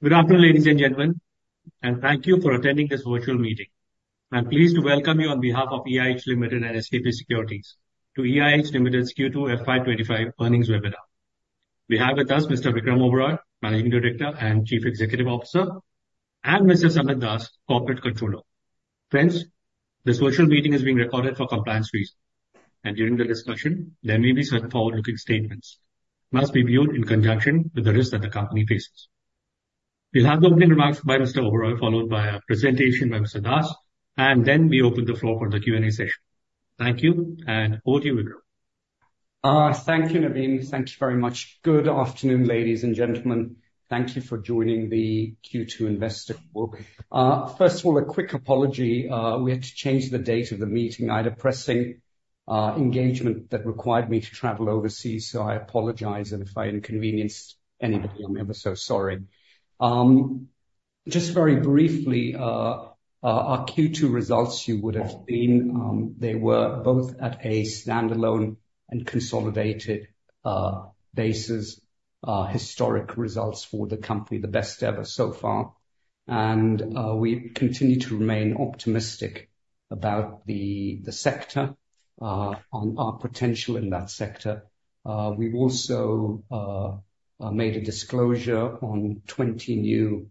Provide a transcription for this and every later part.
Good afternoon, ladies and gentlemen, and thank you for attending this virtual meeting. I'm pleased to welcome you on behalf of EIH Limited and SKP Securities to EIH Limited's Q2 FY25 earnings webinar. We have with us Mr. Vikram Oberoi, Managing Director and Chief Executive Officer, and Mr. Samit Das, Corporate Controller. Friends, this virtual meeting is being recorded for compliance reasons, and during the discussion, there may be some forward-looking statements that must be viewed in conjunction with the risks that the company faces. We'll have the opening remarks by Mr. Oberoi, followed by a presentation by Mr. Das, and then we open the floor for the Q&A session. Thank you, and over to you, Vikram. Thank you, Naveen. Thank you very much. Good afternoon, ladies and gentlemen. Thank you for joining the Q2 Investor Call. First of all, a quick apology. We had to change the date of the meeting. I had a pressing engagement that required me to travel overseas, so I apologize, and if I inconvenienced anybody, I'm ever so sorry. Just very briefly, our Q2 results you would have seen, they were both at a standalone and consolidated basis, historic results for the company, the best ever so far, and we continue to remain optimistic about the sector, on our potential in that sector. We've also made a disclosure on 20 new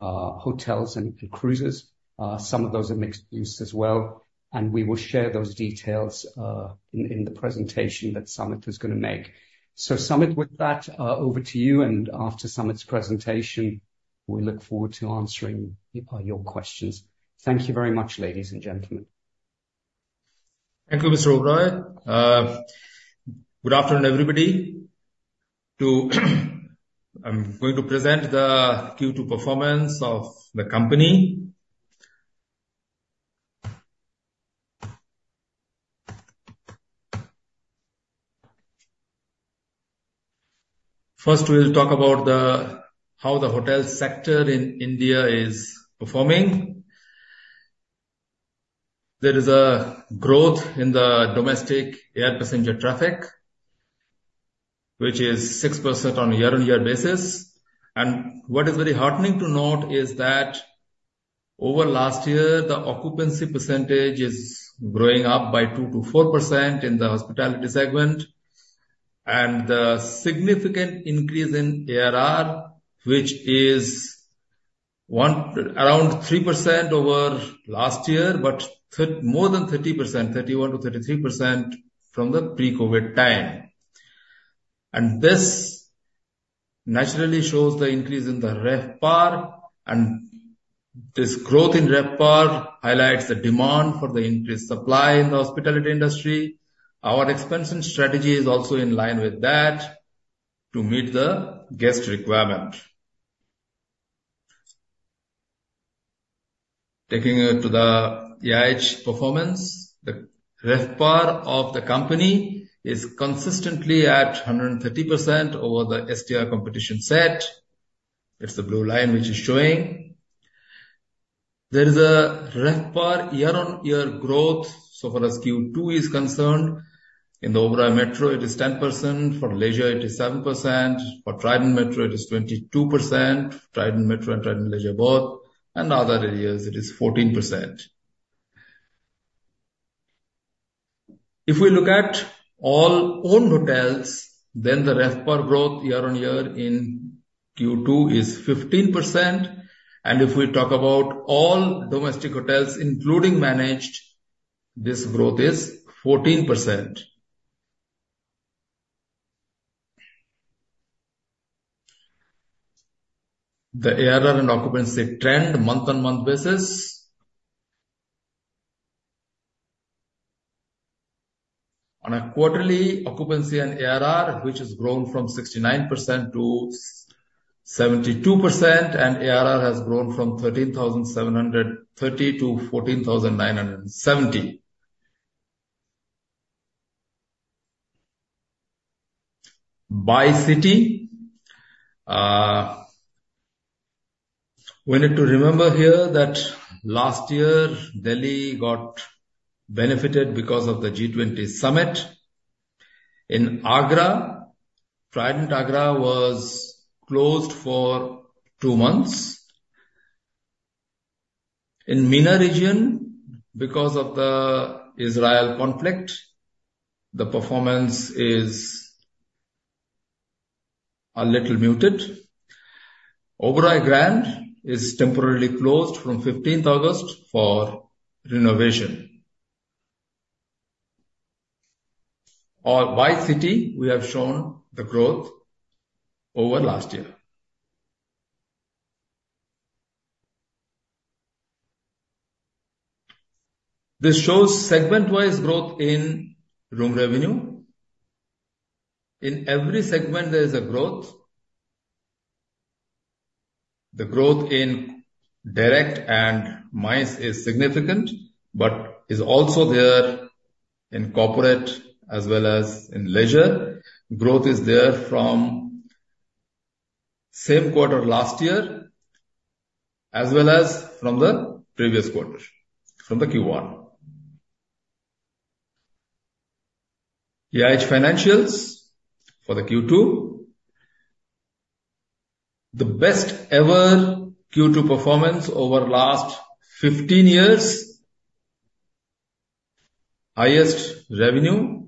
hotels and cruises. Some of those are mixed-use as well, and we will share those details in the presentation that Samit is going to make. So, Samit, with that, over to you. After Samit's presentation, we look forward to answering your questions. Thank you very much, ladies and gentlemen. Thank you, Mr. Oberoi. Good afternoon, everybody. I'm going to present the Q2 performance of the company. First, we'll talk about how the hotel sector in India is performing. There is a growth in the domestic air passenger traffic, which is 6% on a year-on-year basis. And what is very heartening to note is that over last year, the occupancy percentage is growing up by 2%-4% in the hospitality segment, and the significant increase in ARR, which is around 3% over last year, but more than 30%, 31%-33% from the pre-COVID time. And this naturally shows the increase in the RevPAR. And this growth in RevPAR highlights the demand for the increased supply in the hospitality industry. Our expansion strategy is also in line with that to meet the guest requirement. Taking it to the EIH performance, the RevPAR of the company is consistently at 130% over the STR competition set. It's the blue line which is showing. There is a RevPAR year-on-year growth so far as Q2 is concerned. In the Oberoi Metro, it is 10%. For Leisure, it is 7%. For Trident Metro, it is 22%. Trident Metro and Trident Leisure both, and other areas, it is 14%. If we look at all owned hotels, then the RevPAR growth year-on-year in Q2 is 15%. If we talk about all domestic hotels, including managed, this growth is 14%. The ARR and occupancy trend month-on-month basis. On a quarterly, occupancy and ARR, which has grown from 69% to 72%, and ARR has grown from 13,730 to 14,970. By city. We need to remember here that last year, Delhi got benefited because of the G20 summit. In Agra, Trident, Agra was closed for two months. In MENA region, because of the Israel conflict, the performance is a little muted. Oberoi Grand is temporarily closed from 15th August for renovation. By city, we have shown the growth over last year. This shows segment-wise growth in room revenue. In every segment, there is a growth. The growth in direct and MICE is significant, but is also there in corporate as well as in leisure. Growth is there from same quarter last year as well as from the previous quarter, from the Q1. EIH Financials for the Q2. The best-ever Q2 performance over last 15 years. Highest revenue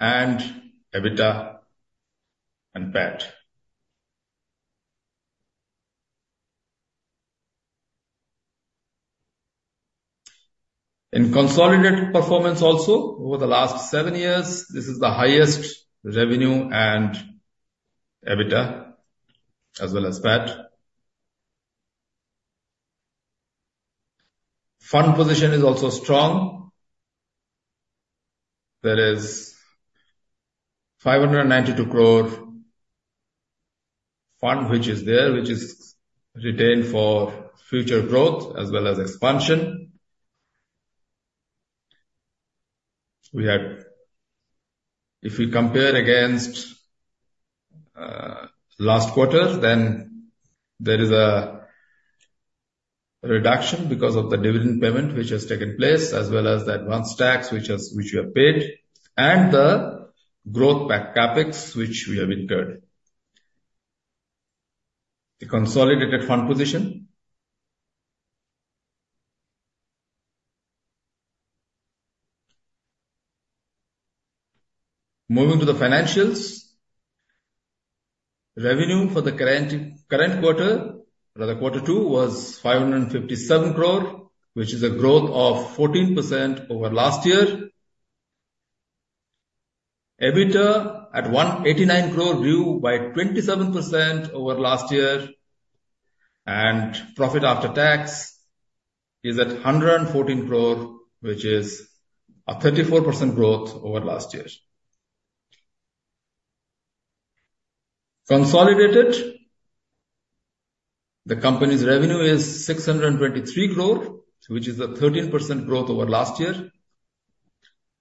and EBITDA and PAT. In consolidated performance also, over the last seven years, this is the highest revenue and EBITDA as well as PAT. Fund position is also strong. There is 592 crore fund which is there, which is retained for future growth as well as expansion. If we compare against last quarter, then there is a reduction because of the dividend payment which has taken place, as well as the advance tax which we have paid, and the growth capex which we have incurred. The consolidated fund position. Moving to the financials. Revenue for the current quarter, or the quarter two, was 557 crore, which is a growth of 14% over last year. EBITDA at 189 crore grew by 27% over last year. And profit after tax is at 114 crore, which is a 34% growth over last year. Consolidated, the company's revenue is 623 crore, which is a 13% growth over last year.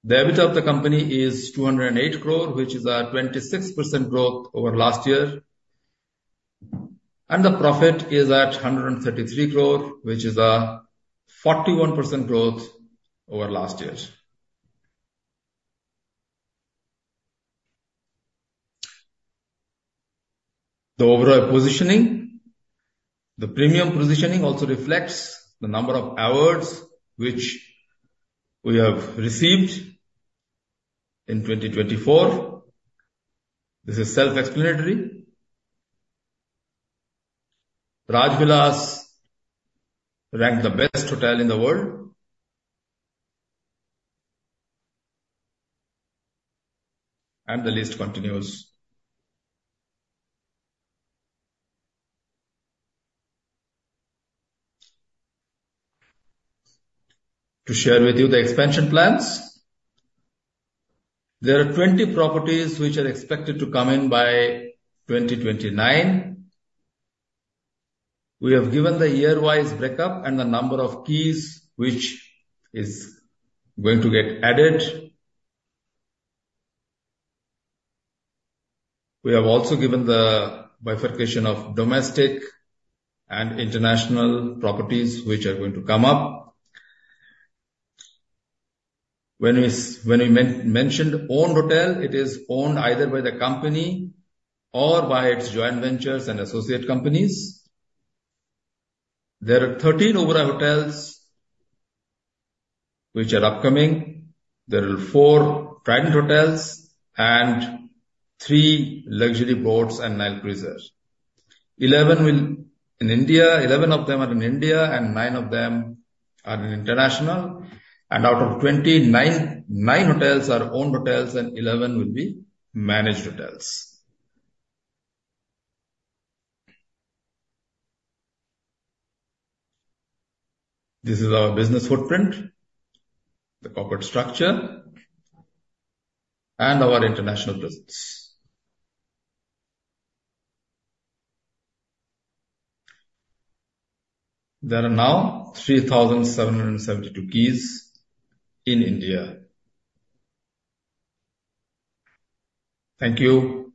The EBITDA of the company is 208 crore, which is a 26% growth over last year. The profit is at 133 crore, which is a 41% growth over last year. The Oberoi positioning, the premium positioning also reflects the number of awards which we have received in 2024. This is self-explanatory. Rajvilas ranked the best hotel in the world. The list continues. To share with you the expansion plans, there are 20 properties which are expected to come in by 2029. We have given the year-wise breakup and the number of keys which is going to get added. We have also given the bifurcation of domestic and international properties which are going to come up. When we mentioned owned hotel, it is owned either by the company or by its joint ventures and associate companies. There are 13 Oberoi hotels which are upcoming. There are four Trident hotels and three luxury boats and Nile cruisers. In India, 11 of them are in India and 9 of them are in international. And out of 20, 9 hotels are owned hotels and 11 will be managed hotels. This is our business footprint, the corporate structure, and our international presence. There are now 3,772 keys in India. Thank you.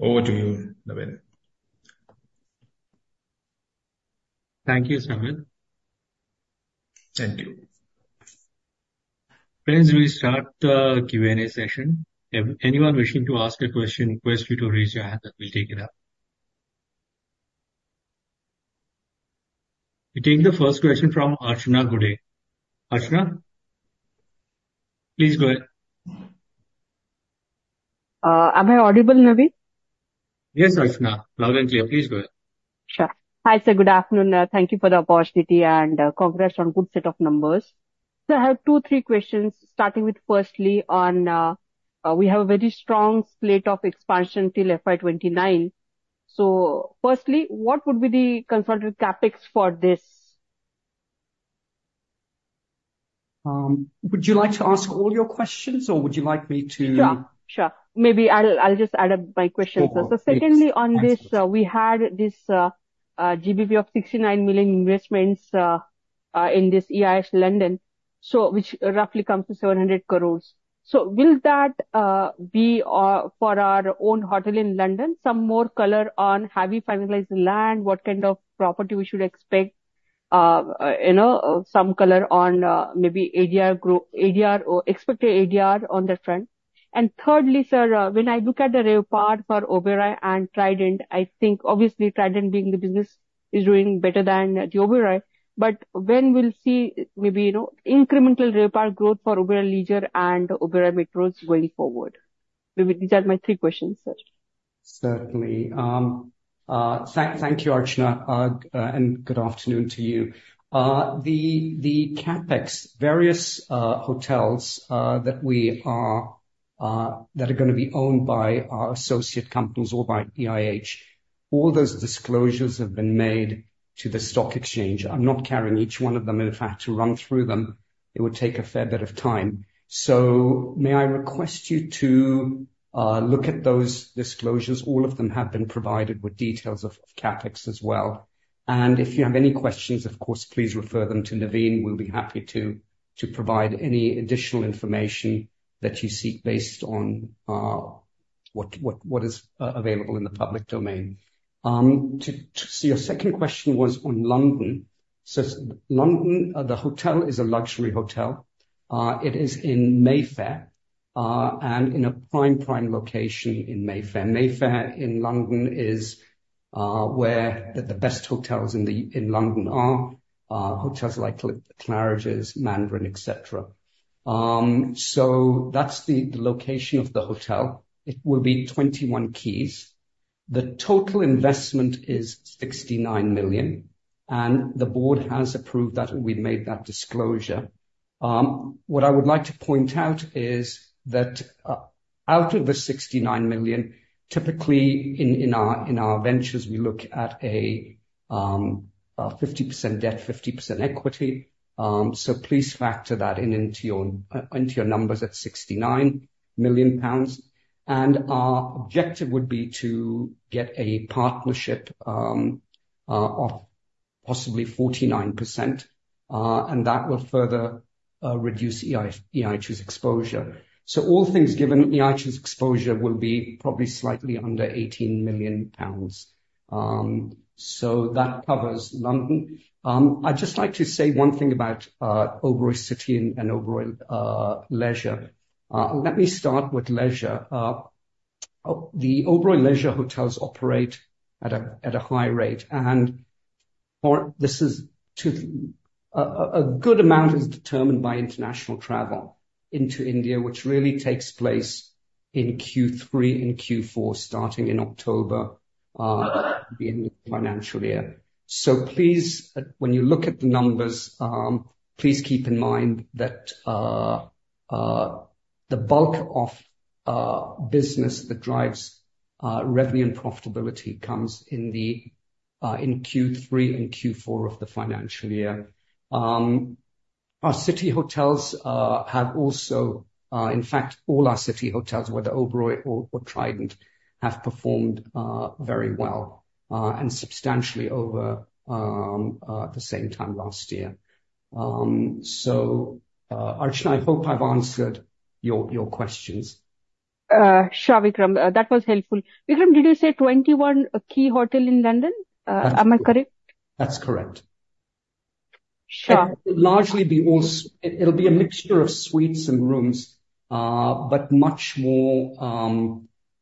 Over to you, Naveen. Thank you, Samit. Thank you. Friends, we will start the Q&A session. If anyone wishing to ask a question requests you to raise your hand, we'll take it up. We take the first question from Archana Gude. Archana, please go ahead. Am I audible, Naveen? Yes, Archana. Loud and clear. Please go ahead. Sure. Hi, sir. Good afternoon. Thank you for the opportunity and congrats on a good set of numbers. So I have two, three questions, starting with firstly on we have a very strong slate of expansion till FY29. So firstly, what would be the consolidated Capex for this? Would you like to ask all your questions, or would you like me to? Sure. Sure. Maybe I'll just add my questions. So secondly, on this, we had this 69 million GBP investments in this EIH London, which roughly comes to 700 crores. So will that be for our own hotel in London? Some more color on have we finalized land, what kind of property we should expect, some color on maybe ADR or expected ADR on that front. And thirdly, sir, when I look at the RevPAR for Oberoi and Trident, I think obviously Trident being the business is doing better than the Oberoi. But when we'll see maybe incremental RevPAR growth for Oberoi Leisure and Oberoi Metro going forward? These are my three questions, sir. Certainly. Thank you, Archana, and good afternoon to you. The Capex, various hotels that are going to be owned by our associate companies or by EIH, all those disclosures have been made to the stock exchange. I'm not carrying each one of them in fact to run through them. It would take a fair bit of time. So may I request you to look at those disclosures? All of them have been provided with details of Capex as well. And if you have any questions, of course, please refer them to Naveen. We'll be happy to provide any additional information that you seek based on what is available in the public domain. So your second question was on London. So London, the hotel is a luxury hotel. It is in Mayfair and in a prime prime location in Mayfair. Mayfair in London is where the best hotels in London are, hotels like Claridge's, Mandarin, etc. That's the location of the hotel. It will be 21 keys. The total investment is 69 million GBP. The board has approved that. We made that disclosure. What I would like to point out is that out of the 69 million GBP, typically in our ventures, we look at a 50% debt, 50% equity. Please factor that into your numbers at 69 million pounds. Our objective would be to get a partnership of possibly 49%. That will further reduce EIH's exposure. All things given, EIH's exposure will be probably slightly under 18 million pounds. That covers London. I'd just like to say one thing about Oberoi City and Oberoi Leisure. Let me start with Leisure. The Oberoi Leisure hotels operate at a high rate. And this is to a good extent determined by international travel into India, which really takes place in Q3 and Q4 starting in October at the end of the financial year. So please, when you look at the numbers, please keep in mind that the bulk of business that drives revenue and profitability comes in Q3 and Q4 of the financial year. Our city hotels have also, in fact, all our city hotels, whether Oberoi or Trident, have performed very well and substantially over the same time last year. So Archana, I hope I've answered your questions. Sure, Vikram. That was helpful. Vikram, did you say 21 keys hotels in London? Am I correct? That's correct. Sure. It'll be a mixture of suites and rooms, but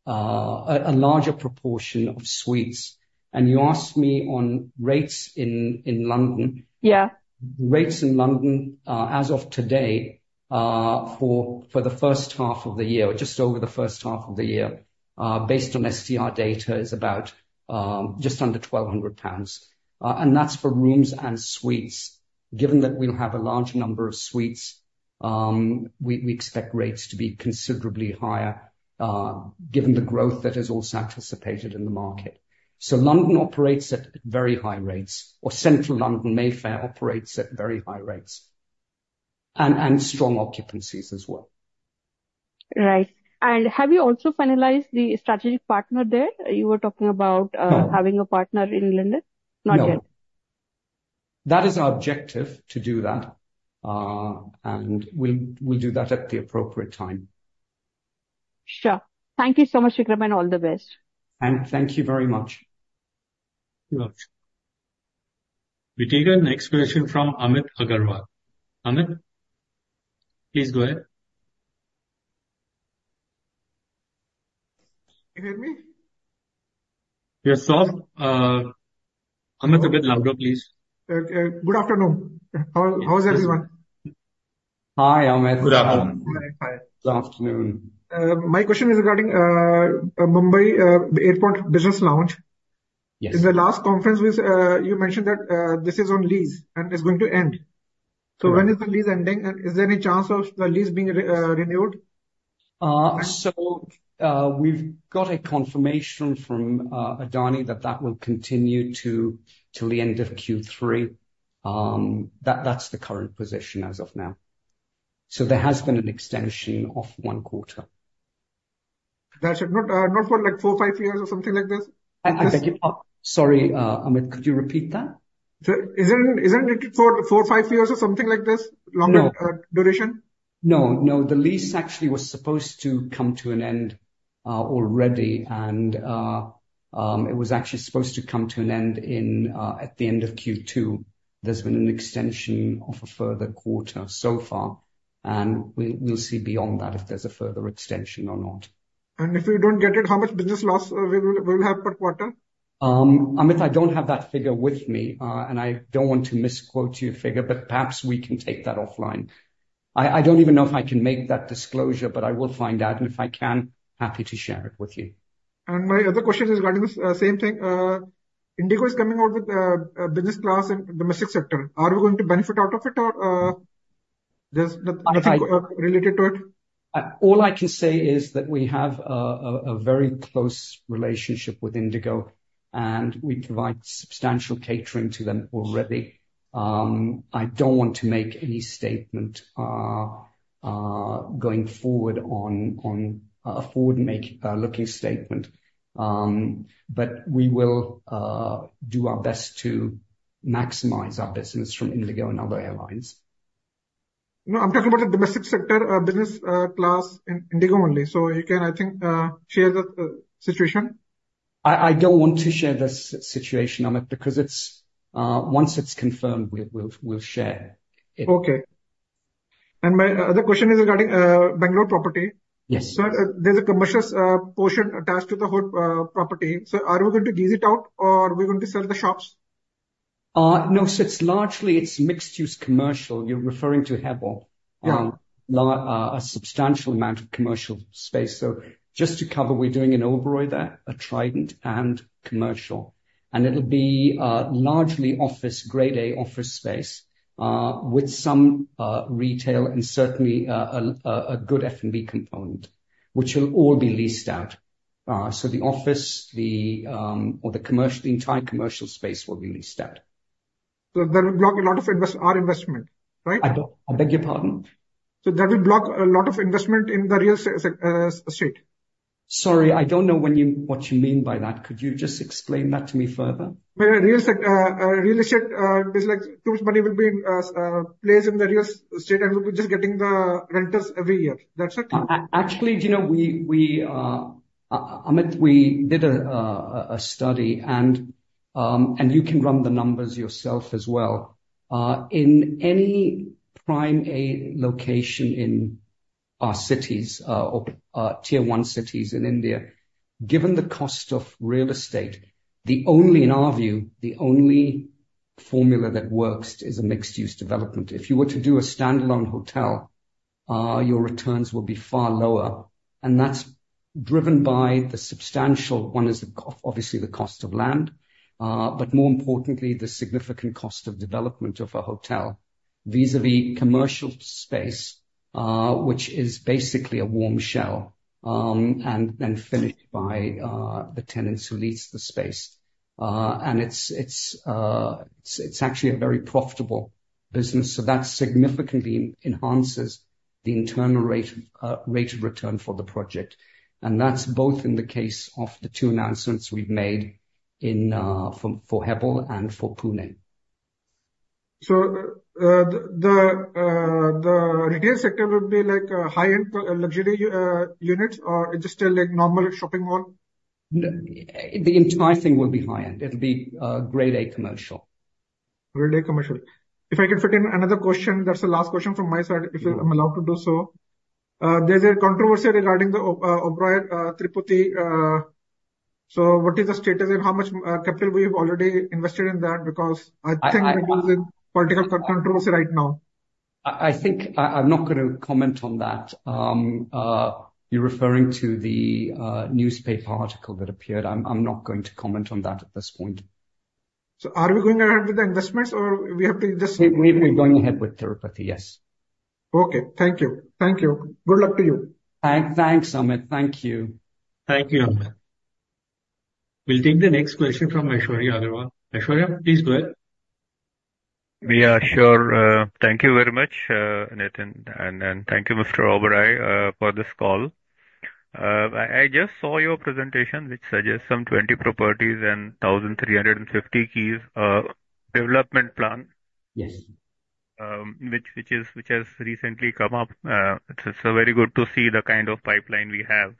a larger proportion of suites. And you asked me on rates in London. Yeah. Rates in London as of today for the first half of the year, just over the first half of the year, based on STR data, is about just under 1,200 pounds. And that's for rooms and suites. Given that we'll have a large number of suites, we expect rates to be considerably higher given the growth that has also anticipated in the market. So London operates at very high rates, or central London, Mayfair, operates at very high rates and strong occupancies as well. Right. And have you also finalized the strategic partner there? You were talking about having a partner in London. Not yet. No. That is our objective to do that, and we'll do that at the appropriate time. Sure. Thank you so much, Vikram, and all the best. Thank you very much. We take an explanation from Amit Agarwal. Amit, please go ahead. You hear me? You're soft. Amit, a bit louder, please. Good afternoon. How is everyone? Hi, Amit. Good afternoon. My question is regarding Mumbai Airport Business Lounge. In the last conference, you mentioned that this is on lease and it's going to end. So when is the lease ending? And is there any chance of the lease being renewed? So we've got a confirmation from Adani that that will continue till the end of Q3. That's the current position as of now. So there has been an extension of one quarter. That's not for like four, five years or something like this? Sorry, Amit, could you repeat that? Isn't it for four, five years or something like this? Longer duration? No. No. The lease actually was supposed to come to an end already, and it was actually supposed to come to an end at the end of Q2. There's been an extension of a further quarter so far, and we'll see beyond that if there's a further extension or not. If we don't get it, how much business loss will we have per quarter? Amit, I don't have that figure with me. And I don't want to misquote your figure, but perhaps we can take that offline. I don't even know if I can make that disclosure, but I will find out. And if I can, happy to share it with you. My other question is regarding the same thing. IndiGo is coming out with a business class in the domestic sector. Are we going to benefit out of it or there's nothing related to it? All I can say is that we have a very close relationship with IndiGo. And we provide substantial catering to them already. I don't want to make any statement going forward on a forward-looking statement. But we will do our best to maximize our business from IndiGo and other airlines. I'm talking about a domestic sector business class in IndiGo only. So you can, I think, share the situation. I don't want to share the situation, Amit, because once it's confirmed, we'll share it. Okay. My other question is regarding Bangalore property. Yes. So there's a commercial portion attached to the whole property. So are we going to lease it out or are we going to sell the shops? No. So largely, it's mixed-use commercial. You're referring to Hebbal. A substantial amount of commercial space. So just to cover, we're doing an Oberoi there, a Trident, and commercial. And it'll be largely office grade A office space with some retail and certainly a good F&B component, which will all be leased out. So the office or the entire commercial space will be leased out. So that will block a lot of our investment, right? I beg your pardon? So that will block a lot of investment in the real estate? Sorry, I don't know what you mean by that. Could you just explain that to me further? Real estate is like, too much money will be placed in the real estate and we'll be just getting the renters every year. That's it. Actually, Amit, we did a study. And you can run the numbers yourself as well. In any prime A location in our cities or tier one cities in India, given the cost of real estate, in our view, the only formula that works is a mixed-use development. If you were to do a standalone hotel, your returns will be far lower. And that's driven by the substantial one is obviously the cost of land, but more importantly, the significant cost of development of a hotel vis-à-vis commercial space, which is basically a warm shell and then finished by the tenants who lease the space. And it's actually a very profitable business. So that significantly enhances the internal rate of return for the project. And that's both in the case of the two announcements we've made for Hebbal and for Pune. The retail sector will be like high-end luxury units or just a normal shopping mall? The entire thing will be high-end. It'll be Grade A commercial. Grade A commercial. If I can fit in another question, that's the last question from my side, if I'm allowed to do so. There's a controversy regarding the Oberoi Tirupati. So what is the status and how much capital we've already invested in that? Because I think it is in political controversy right now. I think I'm not going to comment on that. You're referring to the newspaper article that appeared. I'm not going to comment on that at this point. So are we going ahead with the investments or we have to just? We're going ahead with Tirupati, yes. Okay. Thank you. Thank you. Good luck to you. Thanks, Amit. Thank you. Thank you, Amit. We'll take the next question from Aishwarya Agarwal. Aishwarya, please go ahead. Yeah, sure. Thank you very much, Naveen. And thank you, Mr. Oberoi, for this call. I just saw your presentation, which suggests some 20 properties and 1,350 keys development plan, which has recently come up. It's very good to see the kind of pipeline we have.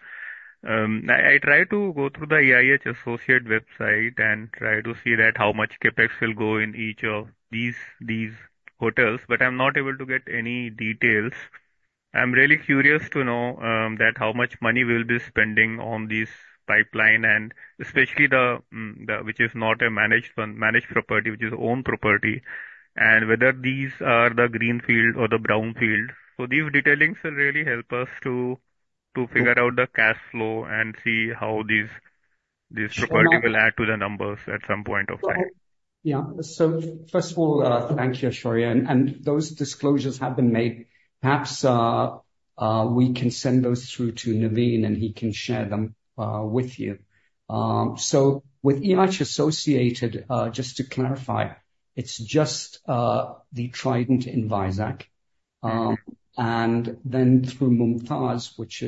I tried to go through the EIH Associates website and tried to see how much CapEx will go in each of these hotels, but I'm not able to get any details. I'm really curious to know how much money we'll be spending on this pipeline, and especially which is not a managed property, which is owned property, and whether these are the greenfield or the brownfield. So these details will really help us to figure out the cash flow and see how these properties will add to the numbers at some point of time. Yeah. So first of all, thank you, Aishwarya. And those disclosures have been made. Perhaps we can send those through to Naveen and he can share them with you. So with EIH Associated, just to clarify, it's just the Trident in Vizag. And then through Mumtaz Hotels, which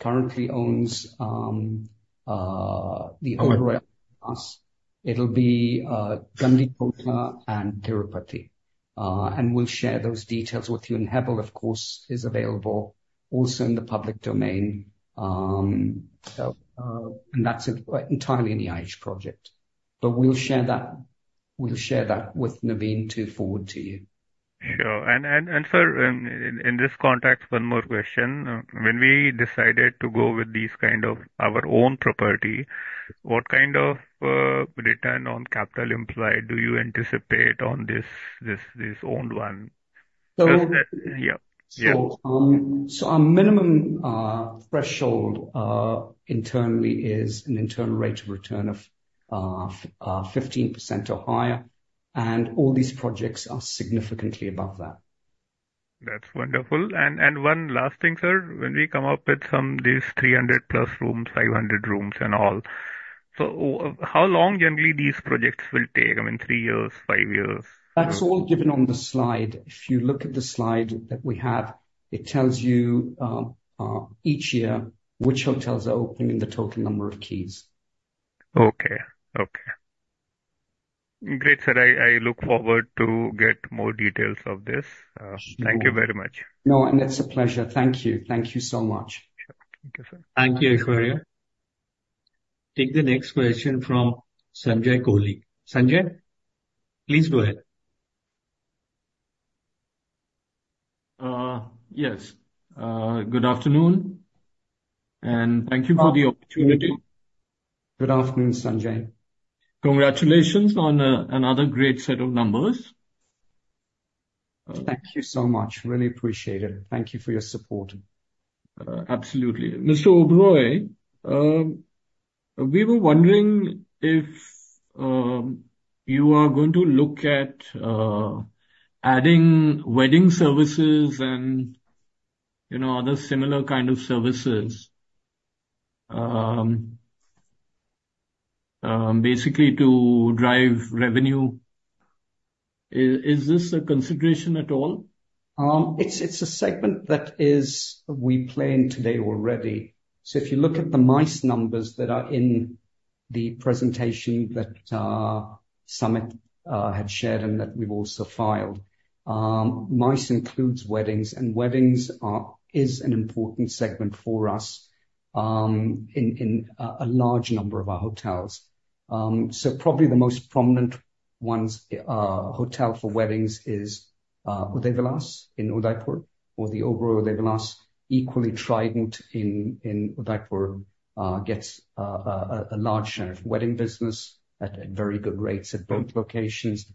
currently owns the Oberoi Cecil, it'll be Gandikota and Tirupati. And we'll share those details with you. And Hebbal, of course, is available also in the public domain. And that's entirely an EIH project. But we'll share that with Naveen to forward to you. Sure. And sir, in this context, one more question. When we decided to go with these kind of our own property, what kind of return on capital employed do you anticipate on this owned one? Yeah. So our minimum threshold internally is an Internal Rate of Return of 15% or higher. And all these projects are significantly above that. That's wonderful. And one last thing, sir. When we come up with these 300-plus rooms, 500 rooms and all, so how long generally these projects will take? I mean, three years, five years? That's all given on the slide. If you look at the slide that we have, it tells you each year which hotels are opening and the total number of keys. Okay. Okay. Great, sir. I look forward to get more details of this. Thank you very much. No, and it's a pleasure. Thank you. Thank you so much. Sure. Thank you, sir. Thank you, Aishwarya. Take the next question from Sanjay Koli. Sanjay, please go ahead. Yes. Good afternoon. And thank you for the opportunity. Good afternoon, Sanjay. Congratulations on another great set of numbers. Thank you so much. Really appreciate it. Thank you for your support. Absolutely. Mr. Oberoi, we were wondering if you are going to look at adding wedding services and other similar kind of services basically to drive revenue. Is this a consideration at all? It's a segment that we play in today already, so if you look at the MICE numbers that are in the presentation that Summit had shared and that we've also filed, MICE includes weddings, and weddings is an important segment for us in a large number of our hotels, so probably the most prominent hotel for weddings is Udaivilas in Udaipur or the Oberoi Udaivilas. Equally Trident in Udaipur gets a large share of wedding business at very good rates at both locations.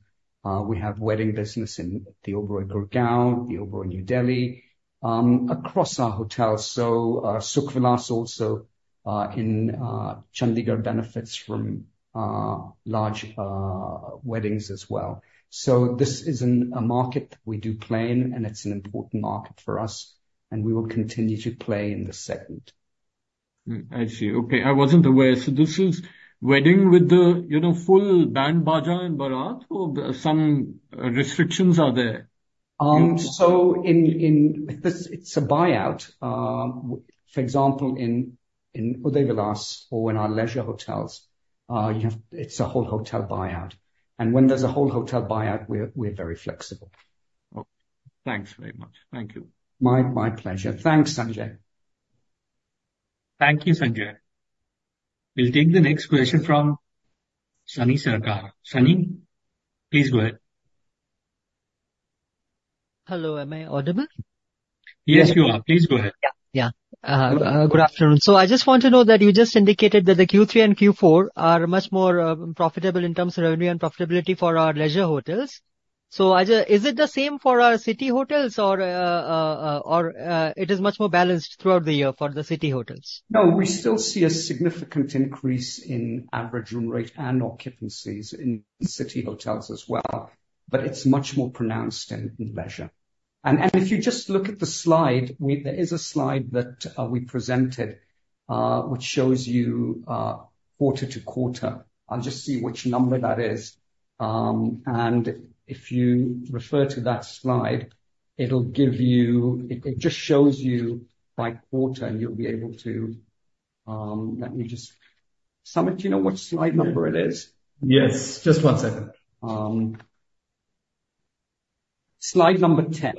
We have wedding business in the Oberoi Gurgaon, the Oberoi New Delhi, across our hotels, so Sukhvilas also in Chandigarh benefits from large weddings as well. This is a market that we do play in, and it's an important market for us, and we will continue to play in the segment. I see. Okay. I wasn't aware. So this is a wedding with the full band, baja, and baraat, or some restrictions are there? It's a buyout. For example, in Udaivilas or in our leisure hotels, it's a whole hotel buyout. When there's a whole hotel buyout, we're very flexible. Thanks very much. Thank you. My pleasure. Thanks, Sanjay. Thank you, Sanjay. We'll take the next question from Sunny Sarkar. Sunny, please go ahead. Hello. Am I audible? Yes, you are. Please go ahead. Yeah. Yeah. Good afternoon. So I just want to know that you just indicated that the Q3 and Q4 are much more profitable in terms of revenue and profitability for our leisure hotels. So is it the same for our city hotels or it is much more balanced throughout the year for the city hotels? No, we still see a significant increase in average room rate and occupancies in city hotels as well, but it's much more pronounced in leisure. And if you just look at the slide, there is a slide that we presented which shows you quarter to quarter. I'll just see which number that is. And if you refer to that slide, it'll give you. It just shows you by quarter, and you'll be able to let me just Samit, do you know what slide number it is? Yes. Just one second. Slide number 10.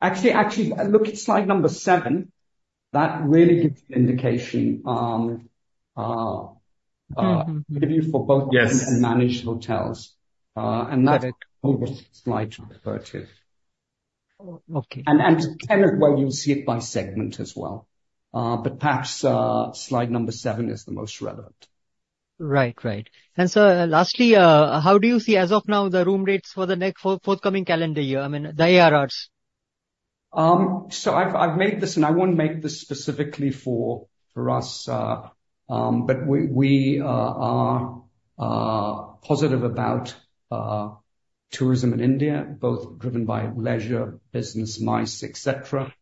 Actually, look at slide number 7. That really gives you an indication for both managed hotels. And that is the whole slide to refer to. And 10 is where you'll see it by segment as well. But perhaps slide number 7 is the most relevant. Right. Lastly, how do you see as of now the room rates for the forthcoming calendar year? I mean, the ARRs. So I've made this, and I won't make this specifically for us. But we are positive about tourism in India, both driven by leisure, business, MICE, etc.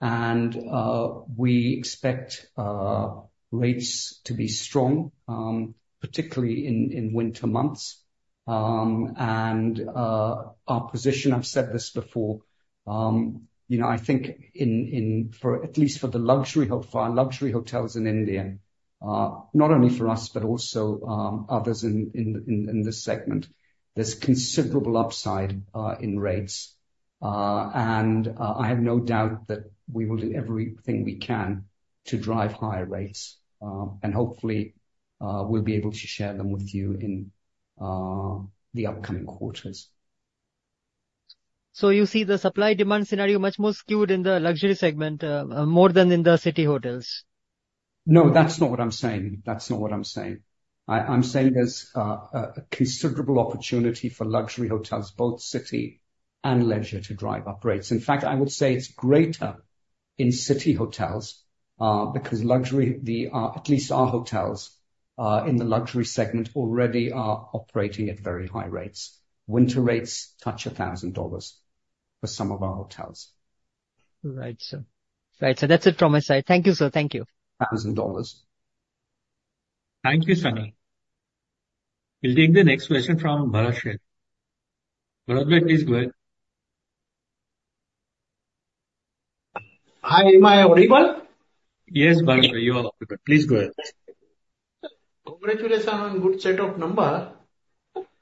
And we expect rates to be strong, particularly in winter months. And our position, I've said this before, I think for at least the luxury hotels in India, not only for us, but also others in this segment, there's considerable upside in rates. And I have no doubt that we will do everything we can to drive higher rates. And hopefully, we'll be able to share them with you in the upcoming quarters. So you see the supply-demand scenario much more skewed in the luxury segment more than in the city hotels? No, that's not what I'm saying. That's not what I'm saying. I'm saying there's a considerable opportunity for luxury hotels, both city and leisure, to drive up rates. In fact, I would say it's greater in city hotels because luxury, at least our hotels in the luxury segment, already are operating at very high rates. Winter rates touch $1,000 for some of our hotels. Right. So that's it from my side. Thank you, sir. Thank you. $1,000. Thank you, Sunny. We'll take the next question from Bharat Sheth. Bharat Sheth, please go ahead. Hi. Am I audible? Yes, Bharat Sheth, you are audible. Please go ahead. Congratulations on a good set of numbers.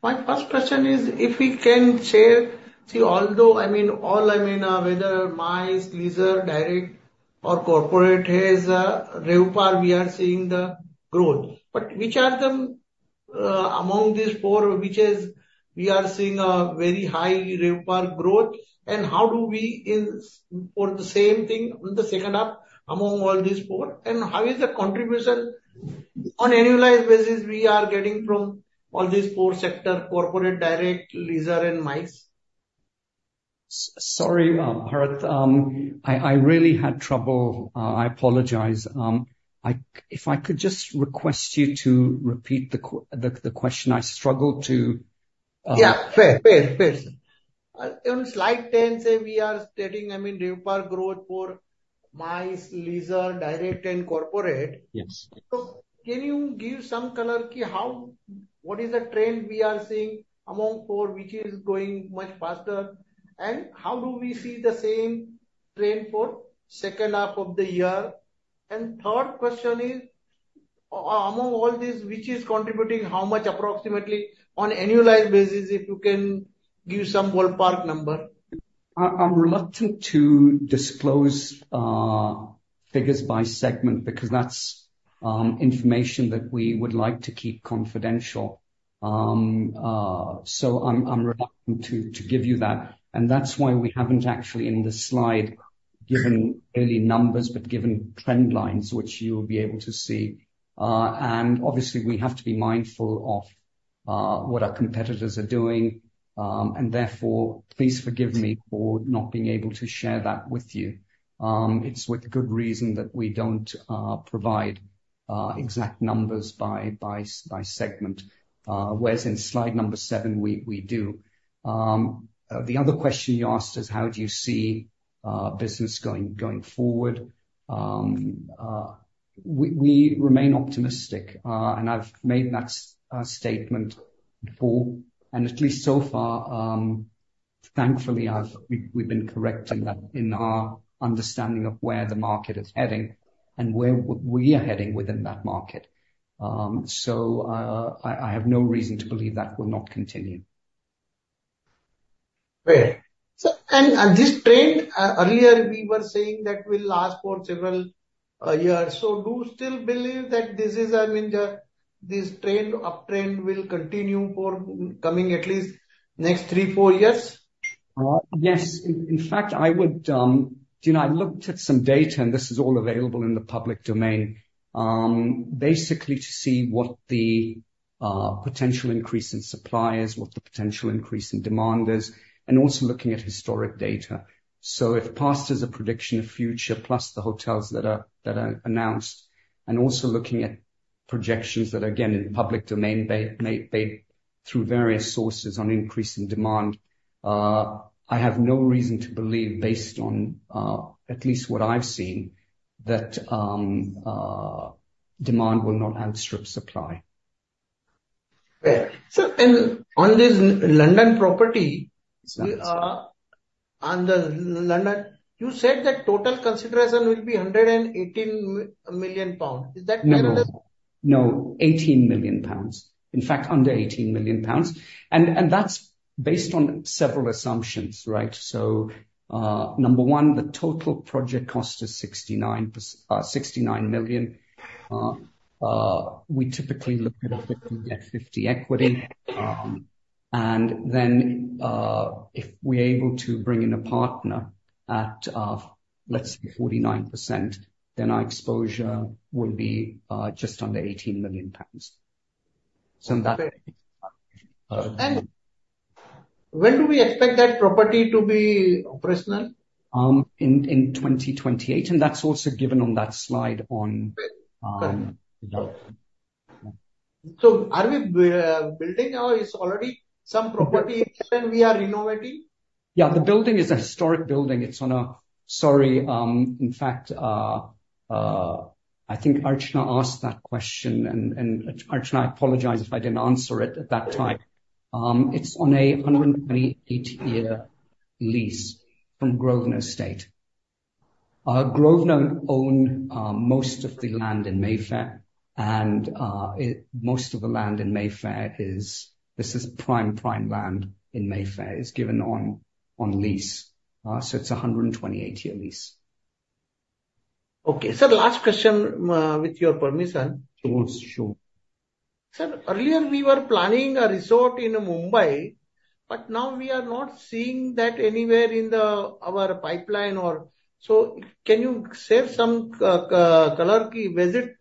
My first question is if we can share, I mean, whether MICE, leisure, direct, or corporate has RevPAR, we are seeing the growth. But which are them among these four, which is we are seeing a very high RevPAR growth? And how do we for the same thing on the second half among all these four? And how is the contribution on annualized basis we are getting from all these four sectors, corporate, direct, leisure, and MICE? Sorry, Harith. I really had trouble. I apologize. If I could just request you to repeat the question. I struggle to. Yeah. Fair. Fair. Fair. On slide 10, as we are stating, I mean, RevPAR growth for MICE, leisure, direct, and corporate. So can you give some color? Key? What is the trend we are seeing among four, which is going much faster? And how do we see the same trend for the second half of the year? And third question is, among all these, which is contributing how much approximately on annualized basis if you can give some ballpark number? I'm reluctant to disclose figures by segment because that's information that we would like to keep confidential. So I'm reluctant to give you that. And that's why we haven't actually in this slide given any numbers, but given trend lines, which you will be able to see. And obviously, we have to be mindful of what our competitors are doing. And therefore, please forgive me for not being able to share that with you. It's with good reason that we don't provide exact numbers by segment. Whereas in slide number seven, we do. The other question you asked is how do you see business going forward? We remain optimistic. And I've made that statement before. And at least so far, thankfully, we've been correct in our understanding of where the market is heading and where we are heading within that market. So I have no reason to believe that will not continue. Great. And this trend, earlier, we were saying that will last for several years. So do you still believe that this is, I mean, this trend, uptrend will continue for coming at least next three, four years? Yes. In fact, I would, you know, I looked at some data, and this is all available in the public domain, basically to see what the potential increase in supply is, what the potential increase in demand is, and also looking at historic data. So if past is a prediction of future plus the hotels that are announced, and also looking at projections that, again, in public domain, they through various sources on increase in demand, I have no reason to believe, based on at least what I've seen, that demand will not outstrip supply. On this London property, you said that total consideration will be 118 million pounds. Is that correct? No. No. 18 million pounds. In fact, under 18 million pounds. And that's based on several assumptions, right? So number one, the total project cost is 69 million. We typically look at a 50/50 equity. And then if we're able to bring in a partner at, let's say, 49%, then our exposure will be just under 18 million pounds. When do we expect that property to be operational? In 2028, and that's also given on that slide. Are we building or is there already some property in? And we are renovating? Yeah. The building is a historic building. It's on a... In fact, I think Archana asked that question. And Archana, I apologize if I didn't answer it at that time. It's on a 128-year lease from Grosvenor Estate. Grosvenor owned most of the land in Mayfair. And most of the land in Mayfair is this is prime prime land in Mayfair is given on lease. So it's a 128-year lease. Okay. So, the last question with your permission. Sure. Sure. Earlier, we were planning a resort in Mumbai, but now we are not seeing that anywhere in our pipeline. So can you share some color key? Was it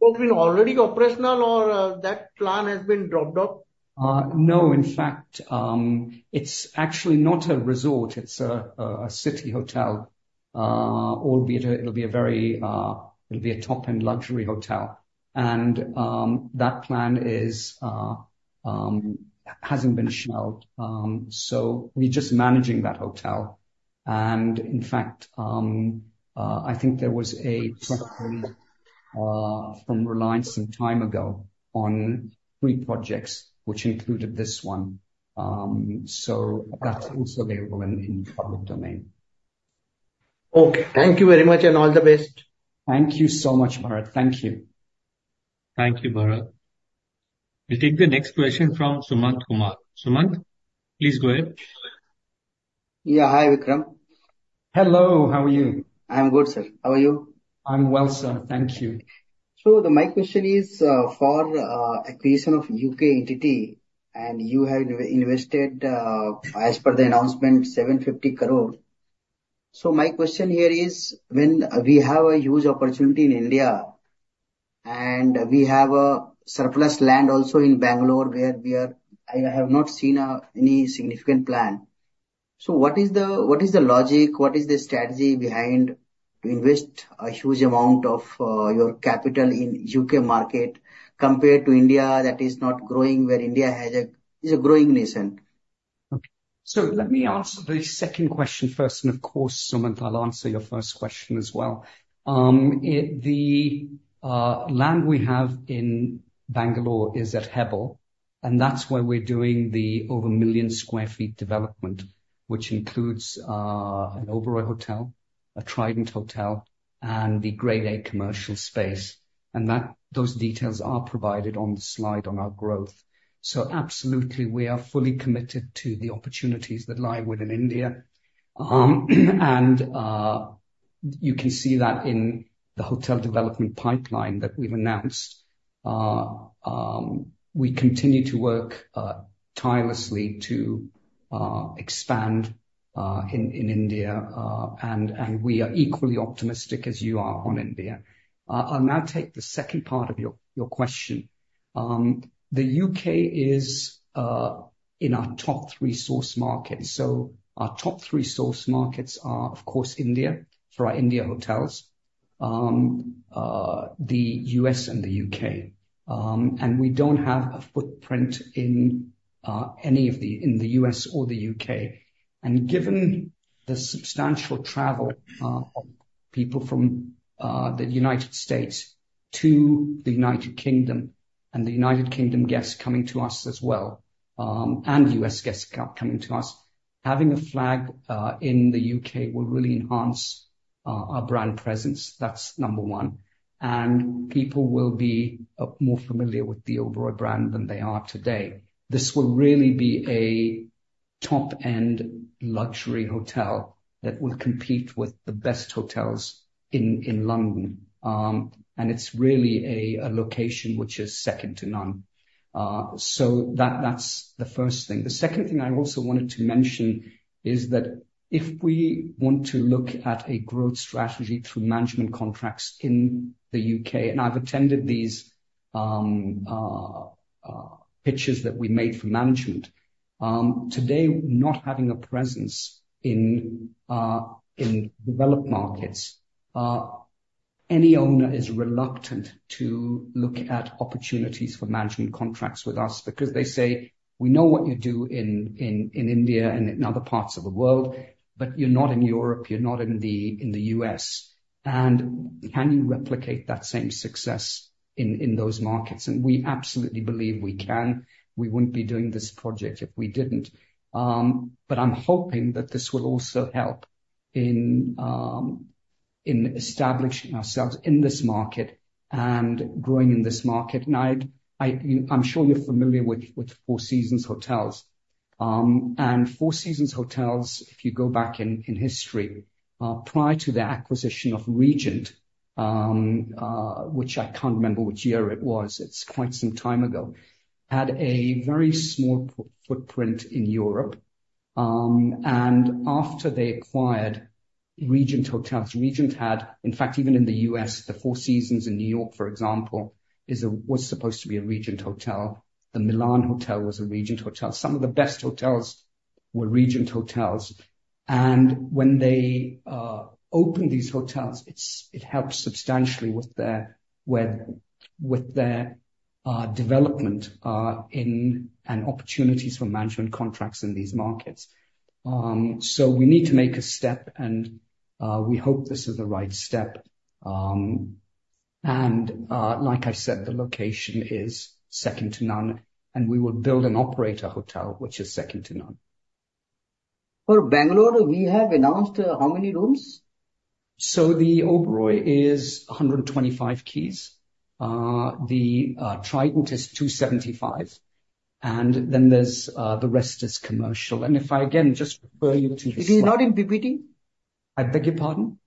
already operational or that plan has been dropped off? No. In fact, it's actually not a resort. It's a city hotel, albeit it'll be a very top-end luxury hotel. And that plan hasn't been shelved. So we're just managing that hotel. And in fact, I think there was a proposal from Reliance some time ago on three projects, which included this one. So that's also available in the public domain. Okay. Thank you very much and all the best. Thank you so much, Bharat. Thank you. Thank you, Bharat. We'll take the next question from Sumanth Kumar. Sumanth? Please go ahead. Yeah. Hi, Vikram. Hello. How are you? I'm good, sir. How are you? I'm well, sir. Thank you. So my question is for acquisition of U.K. entity. And you have invested, as per the announcement, 750 crore. So my question here is when we have a huge opportunity in India and we have surplus land also in Bangalore where we are. I have not seen any significant plan. So what is the logic? What is the strategy behind to invest a huge amount of your capital in U.K. market compared to India that is not growing where India is a growing nation? So let me answer the second question first. And of course, Sumanth, I'll answer your first question as well. The land we have in Bengaluru is at Hebbal. And that's where we're doing the over 1 million sq ft development, which includes an Oberoi Hotel, a Trident Hotel, and the Grade A Commercial Space. And those details are provided on the slide on our growth. So absolutely, we are fully committed to the opportunities that lie within India. And you can see that in the hotel development pipeline that we've announced. We continue to work tirelessly to expand in India. And we are equally optimistic as you are on India. I'll now take the second part of your question. The U.K. is in our top three source markets. So our top three source markets are, of course, India for our India hotels, the U.S., and the U.K. We don't have a footprint in any of the U.S. or the U.K. Given the substantial travel of people from the United States to the United Kingdom and the United Kingdom guests coming to us as well and U.S. guests coming to us, having a flag in the U.K. will really enhance our brand presence. That's number one. People will be more familiar with the Oberoi brand than they are today. This will really be a top-end luxury hotel that will compete with the best hotels in London. It's really a location which is second to none. So that's the first thing. The second thing I also wanted to mention is that if we want to look at a growth strategy through management contracts in the U.K., and I've attended these pitches that we made for management, today, not having a presence in developed markets, any owner is reluctant to look at opportunities for management contracts with us because they say, "We know what you do in India and in other parts of the world, but you're not in Europe. You're not in the U.S. And can you replicate that same success in those markets?" And we absolutely believe we can. We wouldn't be doing this project if we didn't. But I'm hoping that this will also help in establishing ourselves in this market and growing in this market. And I'm sure you're familiar with Four Seasons Hotels. And Four Seasons Hotels, if you go back in history, prior to the acquisition of Regent, which I can't remember which year it was, it's quite some time ago, had a very small footprint in Europe. And after they acquired Regent Hotels, Regent had, in fact, even in the US, the Four Seasons in New York, for example, was supposed to be a Regent Hotel. The Milan Hotel was a Regent Hotel. Some of the best hotels were Regent Hotels. And when they opened these hotels, it helped substantially with their development and opportunities for management contracts in these markets. So we need to make a step, and we hope this is the right step. And like I said, the location is second to none. And we will build and operate a hotel which is second to none. For Bengaluru, we have announced how many rooms? So the Oberoi is 125 keys. The Trident is 275. And then the rest is commercial. And if I again just refer you to. It is not in PPT? I beg your pardon?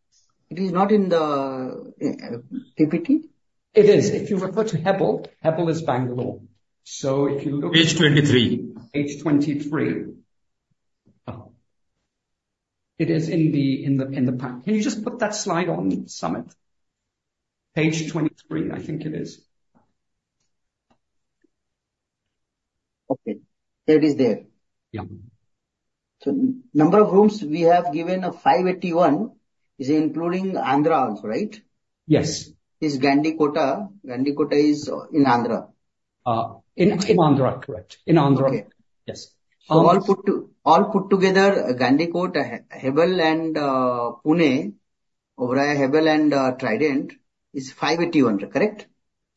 It is not in the PPT? It is. If you refer to Hebbal, Hebbal is Bangalore. So if you look. Page 23. Page 23. It is in the... can you just put that slide on, Sumanth? Page 23, I think it is. Okay. There it is there. Yeah. Number of rooms we have given of 581 is including Andhra also, right? Yes. Is Gandikota? Gandikota is in Andhra. In Andhra, correct. In Andhra. Okay. Yes. So all put together, Gandikota, Hebbal, and Pune, Oberoi, Hebbal, and Trident is 581, correct?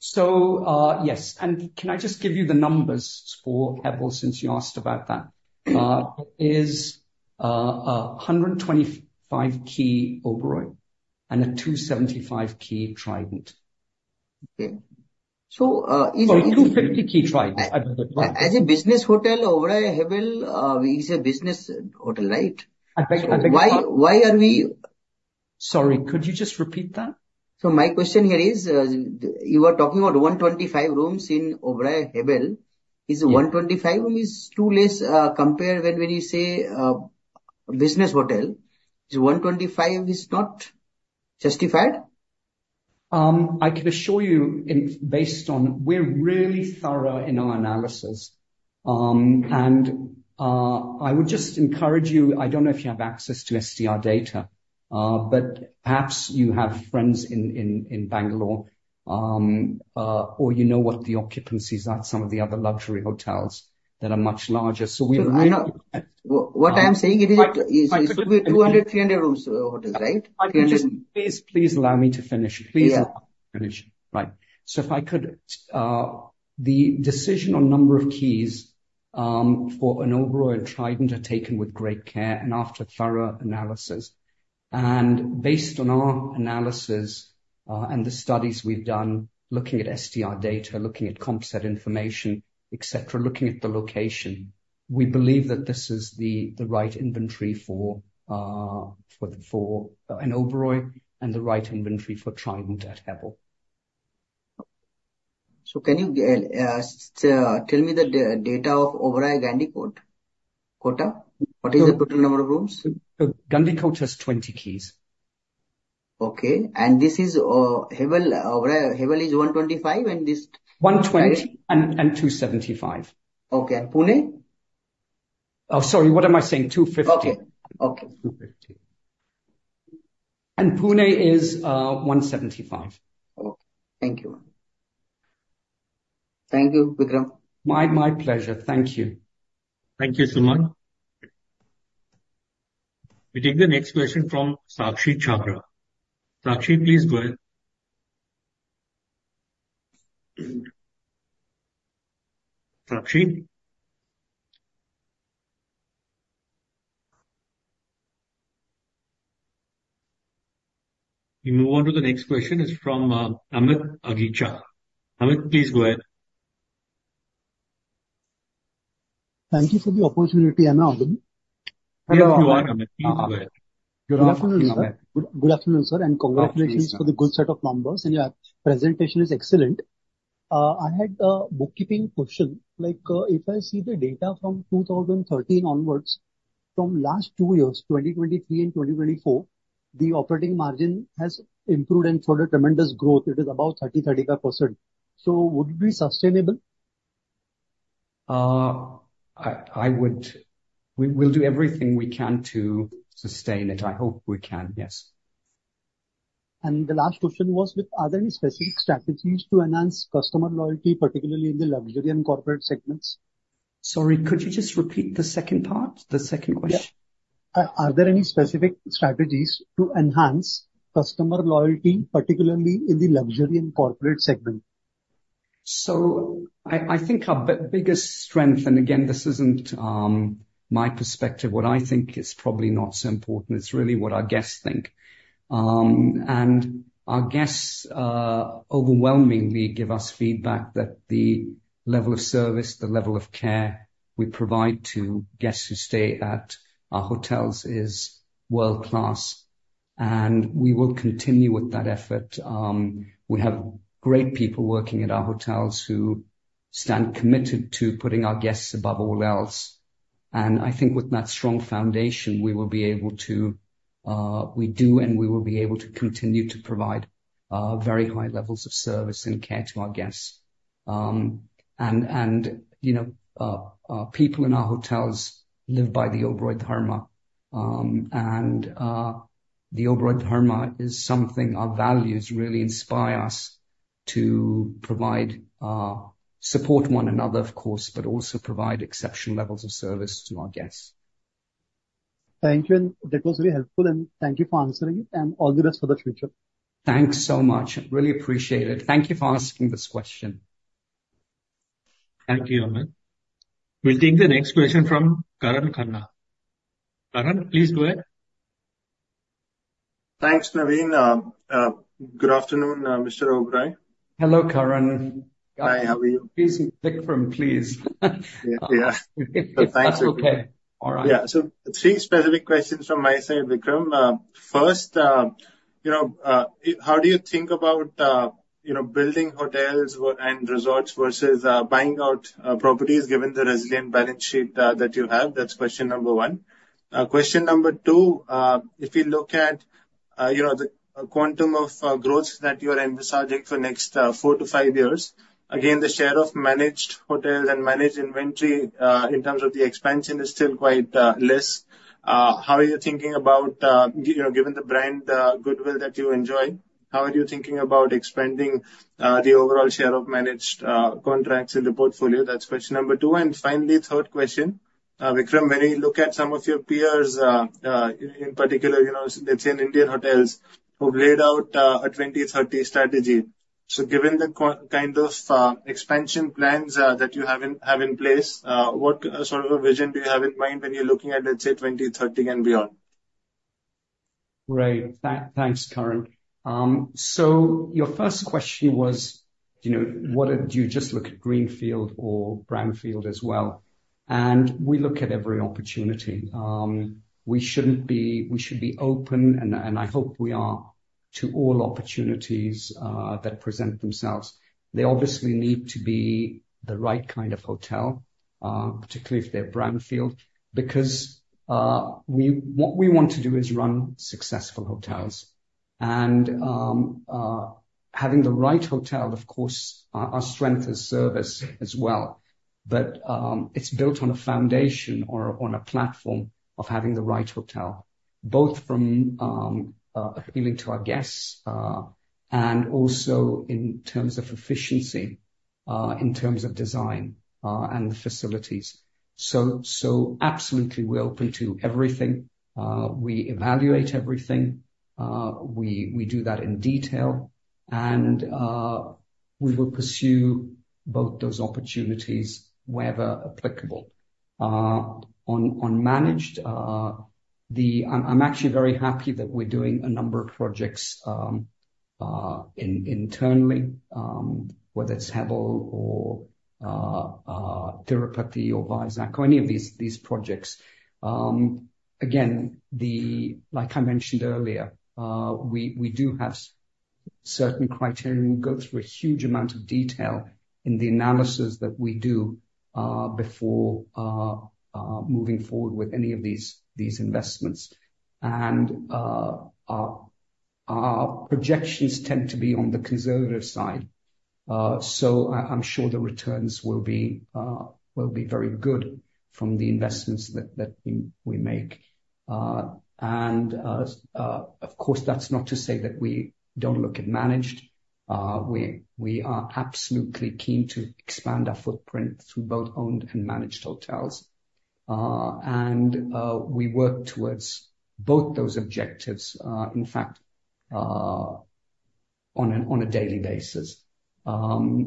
Yes. And can I just give you the numbers for Hebbal since you asked about that? It is a 125-key Oberoi and a 275-key Trident. Okay, so is it. Or 250-key Trident. As a business hotel, Oberoi, Hebbal, it's a business hotel, right? I beg your pardon. Why are we? Sorry. Could you just repeat that? So my question here is, you were talking about 125 rooms in Oberoi, Hebbal. Is 125 rooms too less compared when you say business hotel? Is 125 not justified? I can assure you, based on, we're really thorough in our analysis. I would just encourage you. I don't know if you have access to STR data, but perhaps you have friends in Bangalore or you know what the occupancies are at some of the other luxury hotels that are much larger. So we've. What I am saying is it could be 200, 300 rooms or hotels, right? Please allow me to finish. Please allow me to finish. Right. So if I could, the decision on number of keys for an Oberoi and Trident are taken with great care and after thorough analysis. And based on our analysis and the studies we've done, looking at STR data, looking at comp set information, etc., looking at the location, we believe that this is the right inventory for an Oberoi and the right inventory for Trident at Hebbal. Can you tell me the date of Oberoi, Gandikota? What is the total number of rooms? Gandikota has 20 keys. Okay. And this is Hebbal. Oberoi, Hebbal is 125 and this. 120 and 275. Okay, and Pune? Oh, sorry. What am I saying? 250. Okay. Okay. 250. Pune is 175. Okay. Thank you. Thank you, Vikram. My pleasure. Thank you. Thank you, Sumanth. We take the next question from Sakshi Chhabra. Sakshi, please go ahead. Sakshi. We move on to the next question. It's from Amit Agarwal. Amit, please go ahead. Thank you for the opportunity. I'm not. Yes, you are, Amit. Please go ahead. Good afternoon, sir. Good afternoon, sir. And congratulations for the good set of numbers. And your presentation is excellent. I had a bookkeeping question. If I see the data from 2013 onwards, from last two years, 2023 and 2024, the operating margin has improved and showed a tremendous growth. It is about 30%-35%. So would it be sustainable? We'll do everything we can to sustain it. I hope we can, yes. The last question was, are there any specific strategies to enhance customer loyalty, particularly in the luxury and corporate segments? Sorry, could you just repeat the second part, the second question? Yeah. Are there any specific strategies to enhance customer loyalty, particularly in the luxury and corporate segment? I think our biggest strength, and again, this isn't my perspective. What I think is probably not so important. It's really what our guests think. Our guests overwhelmingly give us feedback that the level of service, the level of care we provide to guests who stay at our hotels is world-class. We will continue with that effort. We have great people working at our hotels who stand committed to putting our guests above all else. I think with that strong foundation, we will be able to, and we will be able to continue to provide very high levels of service and care to our guests. People in our hotels live by the Oberoi Dharma. The Oberoi Dharma is something our values really inspire us to provide support one another, of course, but also provide exceptional levels of service to our guests. Thank you. And that was really helpful. And thank you for answering it. And all the best for the future. Thanks so much. Really appreciate it. Thank you for asking this question. Thank you, Amit. We'll take the next question from Karan Khanna. Karan, please go ahead. Thanks, Navin. Good afternoon, Mr. Oberoi. Hello, Karan. Hi, how are you? Please pick from, please. Yeah. Thank you. That's okay. All right. Yeah. So three specific questions from my side, Vikram. First, how do you think about building hotels and resorts versus buying out properties given the resilient balance sheet that you have? That's question number one. Question number two, if you look at the quantum of growth that you are envisaging for the next four to five years, again, the share of managed hotels and managed inventory in terms of the expansion is still quite less. How are you thinking about given the brand goodwill that you enjoy? How are you thinking about expanding the overall share of managed contracts in the portfolio? That's question number two. And finally, third question, Vikram, when you look at some of your peers, in particular, let's say, Indian Hotels who've laid out a 2030 strategy. Given the kind of expansion plans that you have in place, what sort of a vision do you have in mind when you're looking at, let's say, 2030 and beyond? Great. Thanks, Karan, so your first question was, what do you just look at Greenfield or Brownfield as well, and we look at every opportunity. We should be open, and I hope we are, to all opportunities that present themselves. They obviously need to be the right kind of hotel, particularly if they're Brownfield, because what we want to do is run successful hotels, and having the right hotel, of course, our strength is service as well. But it's built on a foundation or on a platform of having the right hotel, both from appealing to our guests and also in terms of efficiency, in terms of design and the facilities, so absolutely, we're open to everything. We evaluate everything. We do that in detail, and we will pursue both those opportunities wherever applicable. On managed, I'm actually very happy that we're doing a number of projects internally, whether it's Hebbal or Tirupati or Vizag, any of these projects. Again, like I mentioned earlier, we do have certain criteria. We go through a huge amount of detail in the analysis that we do before moving forward with any of these investments. Our projections tend to be on the conservative side. So I'm sure the returns will be very good from the investments that we make. Of course, that's not to say that we don't look at managed. We are absolutely keen to expand our footprint through both owned and managed hotels. We work towards both those objectives, in fact, on a daily basis. Our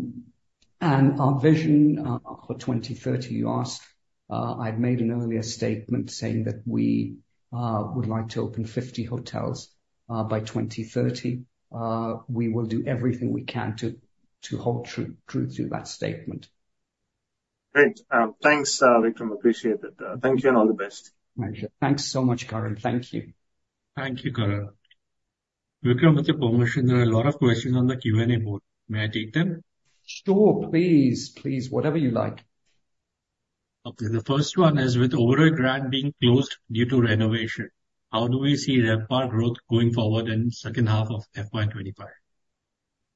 vision for 2030, you asked, I've made an earlier statement saying that we would like to open 50 hotels by 2030. We will do everything we can to hold true to that statement. Great. Thanks, Vikram. Appreciate it. Thank you and all the best. Thanks so much, Karan. Thank you. Thank you, Karan. Vikram, with your permission, there are a lot of questions on the Q&A board. May I take them? Sure. Please, please. Whatever you like. Okay. The first one is, with Oberoi Grand being closed due to renovation, how do we see RevPAR growth going forward in the second half of FY25?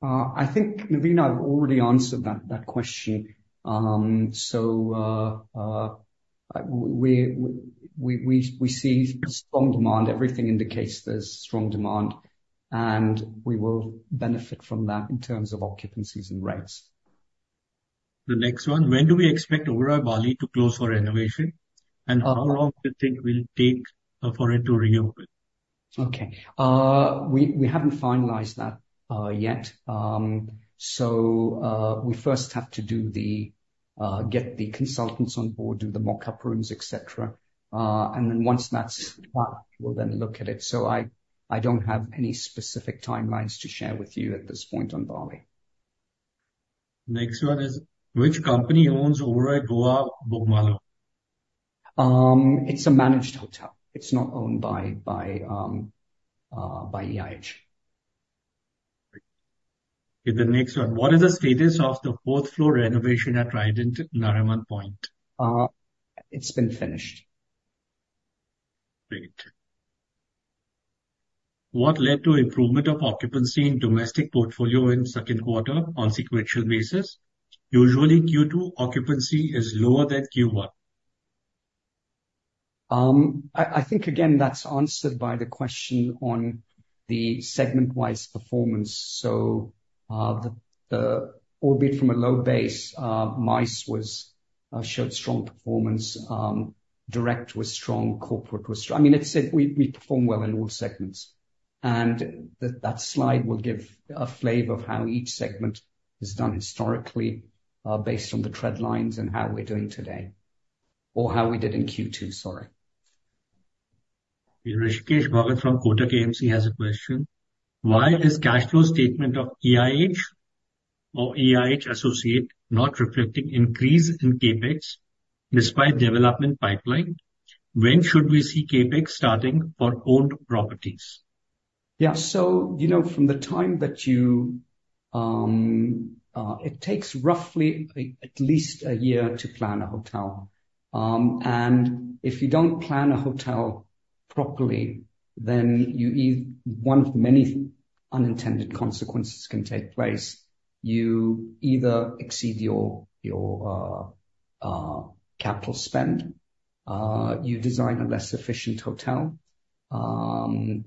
I think, Navin, I've already answered that question. So we see strong demand. Everything indicates there's strong demand. And we will benefit from that in terms of occupancies and rates. The next one, when do we expect Oberoi Bali to close for renovation? And how long do you think it will take for it to reopen? Okay. We haven't finalized that yet. So we first have to get the consultants on board, do the mock-up rooms, etc. And then once that's done, we'll then look at it. So I don't have any specific timelines to share with you at this point on Bali. Next one is, which company owns Oberoi Goa Bogmallo? It's a managed hotel. It's not owned by EIH. Great. The next one, what is the status of the fourth-floor renovation at Trident, Nariman Point? It's been finished. Great. What led to improvement of occupancy in domestic portfolio in second quarter on sequential basis? Usually, Q2 occupancy is lower than Q1. I think, again, that's answered by the question on the segment-wise performance. So the leisure from a low base, MICE showed strong performance. Direct was strong. Corporate was strong. I mean, we perform well in all segments. And that slide will give a flavor of how each segment has done historically based on the trend lines and how we're doing today, or how we did in Q2, sorry. Rishikesh Bhagat from Kotak AMC has a question. Why is cash flow statement of EIH or EIH Associated not reflecting increase in Capex despite development pipeline? When should we see Capex starting for owned properties? Yeah. From the time that it takes roughly at least a year to plan a hotel. If you don't plan a hotel properly, then one of many unintended consequences can take place. You either exceed your capital spend. You design a less efficient hotel. There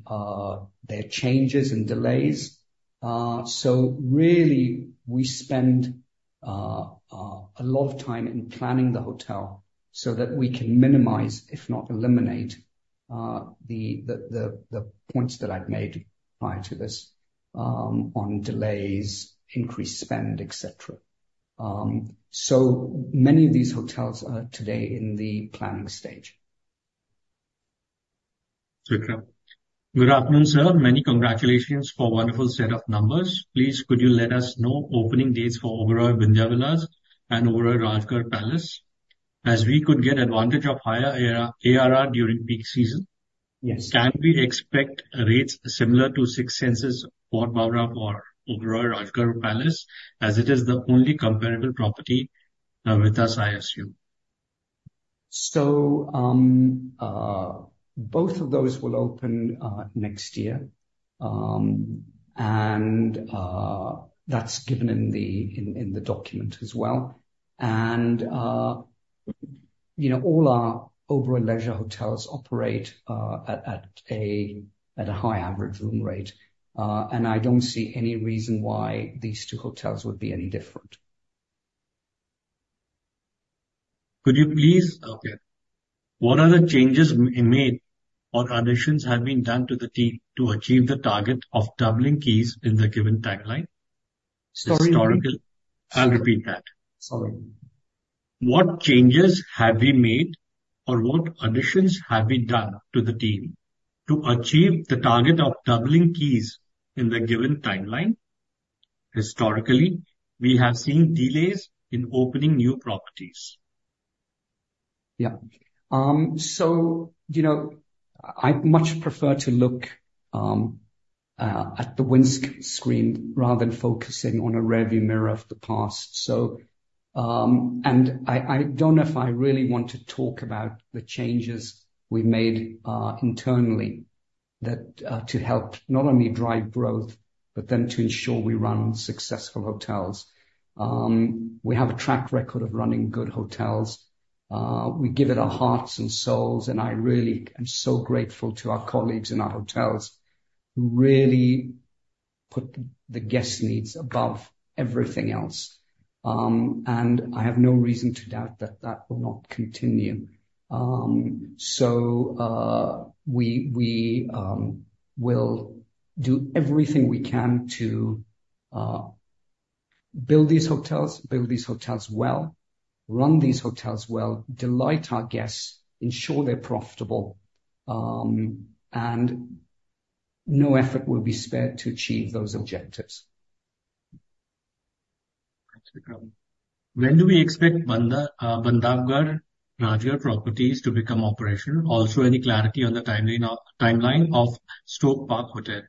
are changes and delays. Really, we spend a lot of time in planning the hotel so that we can minimize, if not eliminate, the points that I've made prior to this on delays, increased spend, etc. Many of these hotels are today in the planning stage. Okay. Good afternoon, sir. Many congratulations for a wonderful set of numbers. Please, could you let us know opening dates for Oberoi Vindhyavilas and Oberoi Rajgarh Palace? As we could get advantage of higher ARR during peak season, can we expect rates similar to Six Senses Fort Barwara or Oberoi Rajgarh Palace as it is the only comparable property with us, I assume? So both of those will open next year. And that's given in the document as well. And all our Oberoi leisure hotels operate at a high average room rate. And I don't see any reason why these two hotels would be any different. What are the changes made or additions have been done to the team to achieve the target of doubling keys in the given timeline? Sorry. Historically, I'll repeat that. Sorry. What changes have we made or what additions have we done to the team to achieve the target of doubling keys in the given timeline? Historically, we have seen delays in opening new properties. Yeah, so I'd much prefer to look at the windscreen rather than focusing on a rearview mirror of the past, and I don't know if I really want to talk about the changes we made internally to help not only drive growth, but then to ensure we run successful hotels. We have a track record of running good hotels. We give it our hearts and souls, and I really am so grateful to our colleagues in our hotels who really put the guest needs above everything else, and I have no reason to doubt that that will not continue, so we will do everything we can to build these hotels, build these hotels well, run these hotels well, delight our guests, ensure they're profitable, and no effort will be spared to achieve those objectives. Thanks, Vikram. When do we expect Bandhavgarh Rajgarh properties to become operational? Also, any clarity on the timeline of Stoke Park Hotel?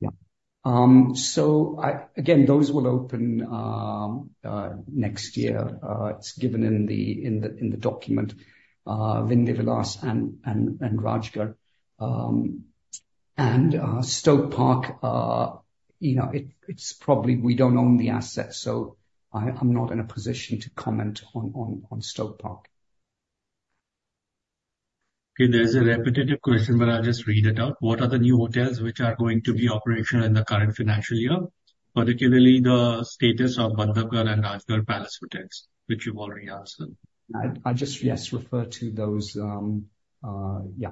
Yeah. So again, those will open next year. It's given in the document, Vindhyavilas and Rajgarh. And Stoke Park, it's probably we don't own the assets. So I'm not in a position to comment on Stoke Park. Okay. There's a repetitive question, but I'll just read it out. What are the new hotels which are going to be operational in the current financial year, particularly the status of Bandhavgarh and Rajgarh Palace Hotels, which you've already answered? Yes, refer to those. Yeah.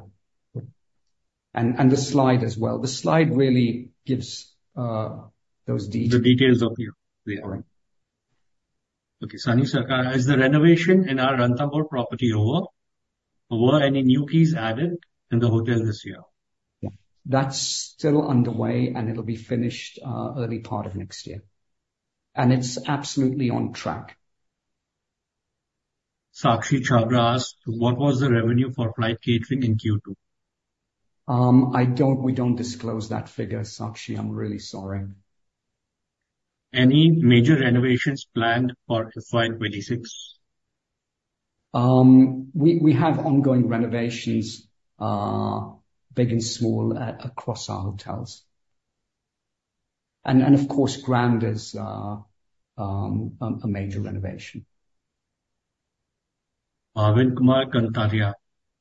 And the slide as well. The slide really gives those details. Shani Sarkar, is the renovation in our Ranthambore property over? Were any new keys added in the hotel this year? That's still underway, and it'll be finished early part of next year. And it's absolutely on track. Sakshi Chhabra asked, "What was the revenue for flight catering in Q2? We don't disclose that figure, Sakshi. I'm really sorry. Any major renovations planned for FY26? We have ongoing renovations, big and small, across our hotels, and of course, Grand is a major renovation. Arvind Kumar Kantaria,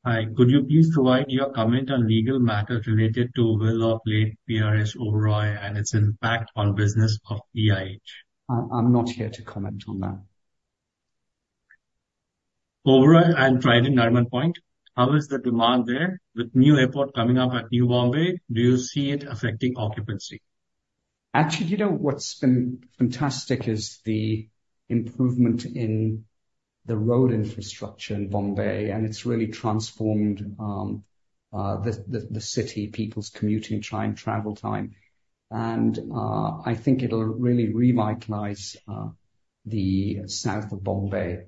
hi. Could you please provide your comment on legal matters related to will of late PRS Oberoi and its impact on business of EIH? I'm not here to comment on that. Overall, and Trident Nariman Point, how is the demand there? With new airport coming up at Navi Mumbai, do you see it affecting occupancy? Actually, you know what's been fantastic is the improvement in the road infrastructure in Mumbai, and it's really transformed the city, people's commuting time, travel time, and I think it'll really revitalize the south of Mumbai,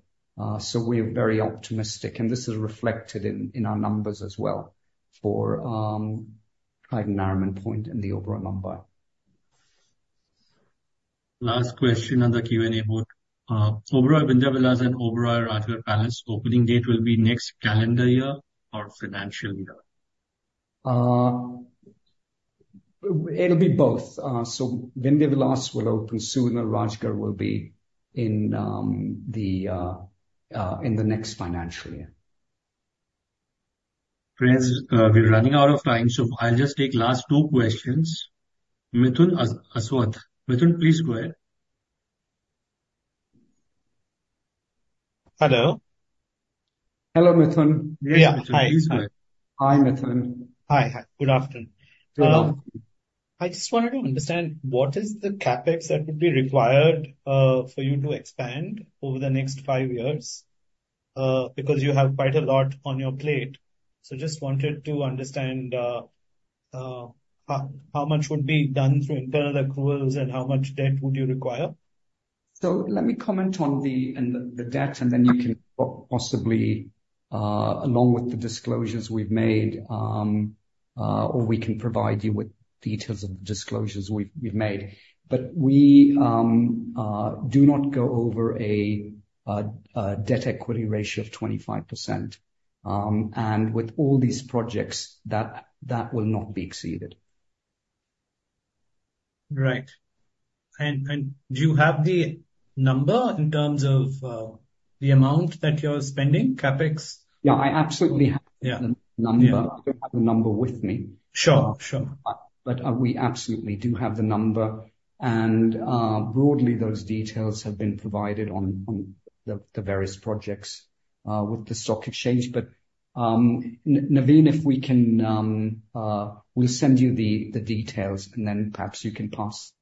so we're very optimistic, and this is reflected in our numbers as well for Trident, Nariman Point and The Oberoi, Mumbai. Last question on the Q&A board. Overall, Vindhyavilas and Oberoi Rajgarh Palace, opening date will be next calendar year or financial year? It'll be both, so Vindhyavilas will open sooner. Rajgarh will be in the next financial year. Friends, we're running out of time. So I'll just take last two questions. Mithun Aswath, Mithun, please go ahead. Hello. Hello, Mithun. Yes, Mithun. Please go ahead. Hi, Mithun. Hi. Good afternoon. Hello. I just wanted to understand, what is the CapEx that would be required for you to expand over the next five years? Because you have quite a lot on your plate. So just wanted to understand how much would be done through internal accruals and how much debt would you require? So let me comment on the debt, and then you can possibly, along with the disclosures we've made, or we can provide you with details of the disclosures we've made. But we do not go over a debt-equity ratio of 25%. And with all these projects, that will not be exceeded. Right. And do you have the number in terms of the amount that you're spending, CapEx? Yeah, I absolutely have the number. I don't have the number with me. Sure. Sure. But we absolutely do have the number. And broadly, those details have been provided on the various projects with the stock exchange. But Navin, if we can, we'll send you the details, and then perhaps you can pass.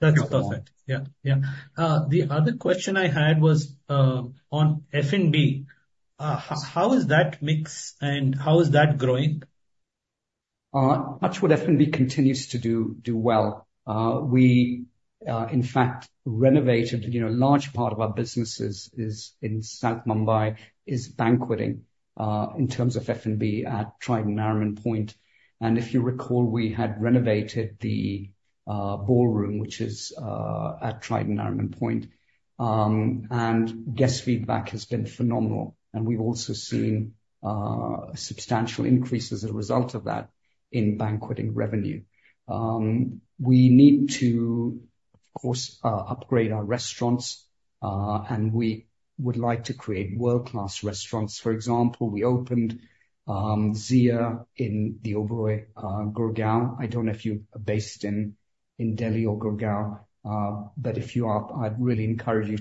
That's perfect. Yeah. Yeah. The other question I had was on F&B. How is that mix and how is that growing? Much of what F&B continues to do well. We, in fact, renovated a large part of our business in South Mumbai, i.e., banqueting, in terms of F&B at Trident, Nariman Point, and if you recall, we had renovated the ballroom, which is at Trident, Nariman Point, and guest feedback has been phenomenal, and we've also seen substantial increases as a result of that in banqueting revenue. We need to, of course, upgrade our restaurants, and we would like to create world-class restaurants. For example, we opened Ziya in The Oberoi, Gurgaon. I don't know if you're based in Delhi or Gurgaon. But if you are, I'd really encourage you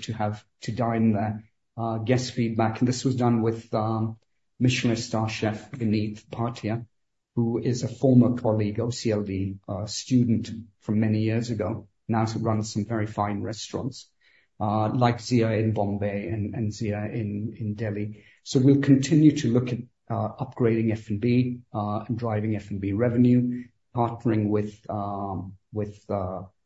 to dine there. Guest feedback, and this was done with Michelin-starred chef Vineet Bhatia, who is a former colleague, OCLD student from many years ago, now she runs some very fine restaurants like Ziyain Mumbai and Ziya in Gurgaon. We'll continue to look at upgrading F&B and driving F&B revenue, partnering with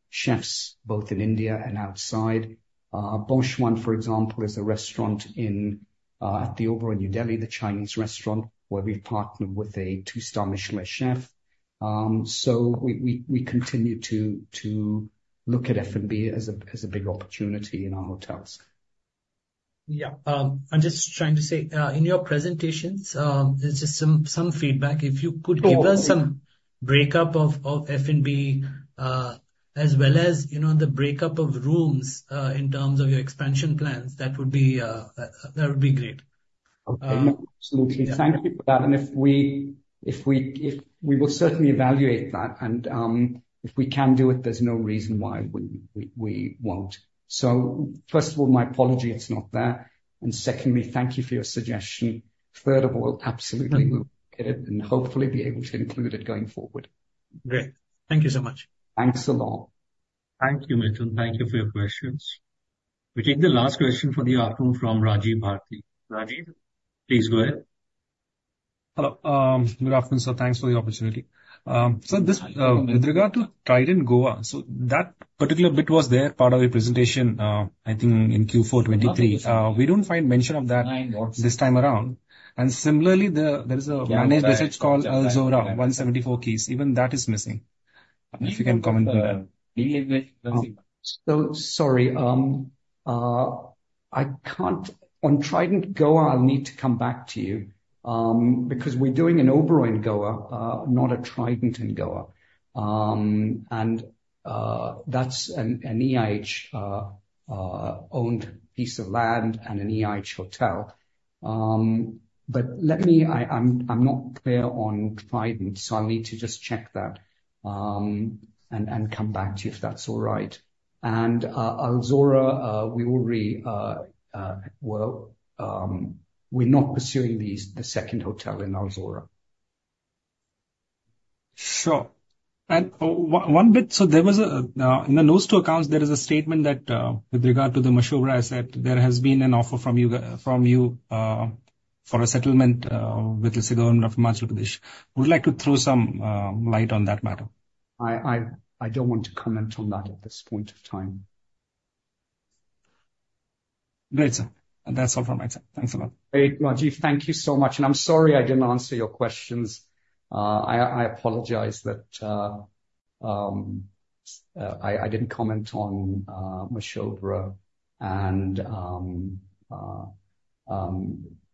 chefs both in India and outside. Baoshuan, for example, is a restaurant at The Oberoi, New Delhi, the Chinese restaurant, where we partnered with a two-star Michelin chef. We'll continue to look at F&B as a big opportunity in our hotels. Yeah. I'm just trying to say, in your presentations, there's just some feedback. If you could give us some breakup of F&B as well as the breakup of rooms in terms of your expansion plans, that would be great. Okay. Absolutely. Thank you for that. And if we will certainly evaluate that. And if we can do it, there's no reason why we won't. So first of all, my apology, it's not there. And secondly, thank you for your suggestion. Third of all, absolutely, we'll look at it and hopefully be able to include it going forward. Great. Thank you so much. Thanks a lot. Thank you, Mithun. Thank you for your questions. We take the last question for the afternoon from Rajiv Bharati. Rajiv, please go ahead. Hello. Good afternoon, sir. Thanks for the opportunity. So with regard to Trident Goa, so that particular bit was there part of your presentation, I think, in Q4 2023. We don't find mention of that this time around. And similarly, there is a managed hotel called Al Zorah 174 keys. Even that is missing. If you can comment on that. So sorry. On Trident Goa, I'll need to come back to you because we're doing an Oberoi in Goa, not a Trident in Goa. And that's an EIH-owned piece of land and an EIH hotel. But I'm not clear on Trident, so I'll need to just check that and come back to you if that's all right. And Al Zorah, we're not pursuing the second hotel in Al Zorah. Sure. And one bit. So there was a note in the notes to accounts, there is a statement that with regard to the Mr. Oberoi asset, there has been an offer from you for a settlement with the government of Madhya Pradesh. Would you like to throw some light on that matter? I don't want to comment on that at this point of time. Great, sir. That's all from my side. Thanks a lot. Great, Rajiv. Thank you so much. I am sorry I did not answer your questions. I apologize that I did not comment on Mr. Oberoi and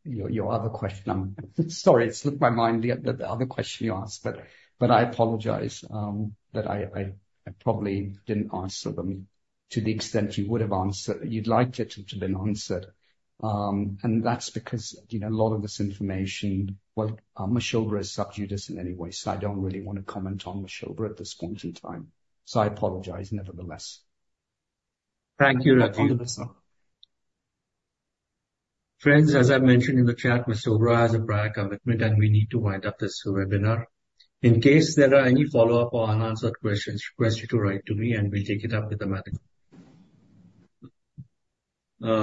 your other question. Sorry, it slipped my mind, the other question you asked. But I apologize that I probably did not answer them to the extent you would have answered. You would like it to have been answered. And that is because a lot of this information, well, Mr. Oberoi is sub judice in any way. So I do not really want to comment on Mr. Oberoi at this point in time. So I apologize nevertheless. Thank you, Rajiv. No problem, sir. Friends, as I mentioned in the chat, Mr. Oberoi has a prior commitment, and we need to wind up this webinar. In case there are any follow-up or unanswered questions, request you to write to me, and we'll take it up with the matter. Vikram, over to you for your closing remarks. Thank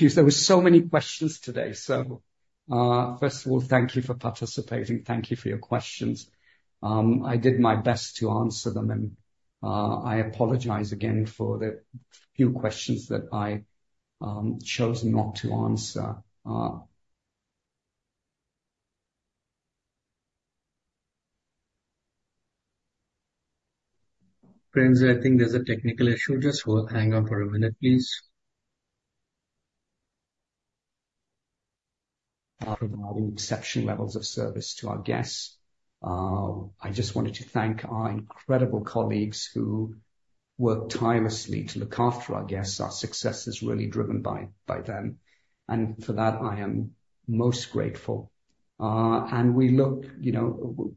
you. There were so many questions today. So first of all, thank you for participating. Thank you for your questions. I did my best to answer them. And I apologize again for the few questions that I chose not to answer. Friends, I think there's a technical issue. Just hold. Hang on for a minute, please. Providing exceptional levels of service to our guests. I just wanted to thank our incredible colleagues who work tirelessly to look after our guests. Our success is really driven by them, and for that, I am most grateful, and we look Q3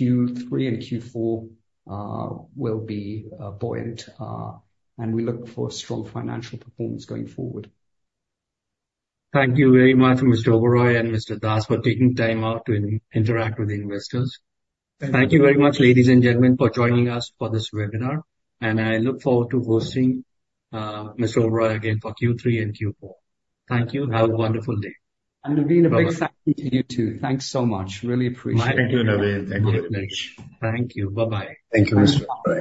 and Q4 will be buoyant, and we look for strong financial performance going forward. Thank you very much, Mr. Oberoi and Mr. Das for taking time out to interact with investors. Thank you very much, ladies and gentlemen, for joining us for this webinar. I look forward to hosting Mr. Oberoi again for Q3 and Q4. Thank you. Have a wonderful day. Navin, a big thank you to you too. Thanks so much. Really appreciate it. Thank you, Navin. Thank you very much. Thank you. Bye-bye. Thank you, Mr.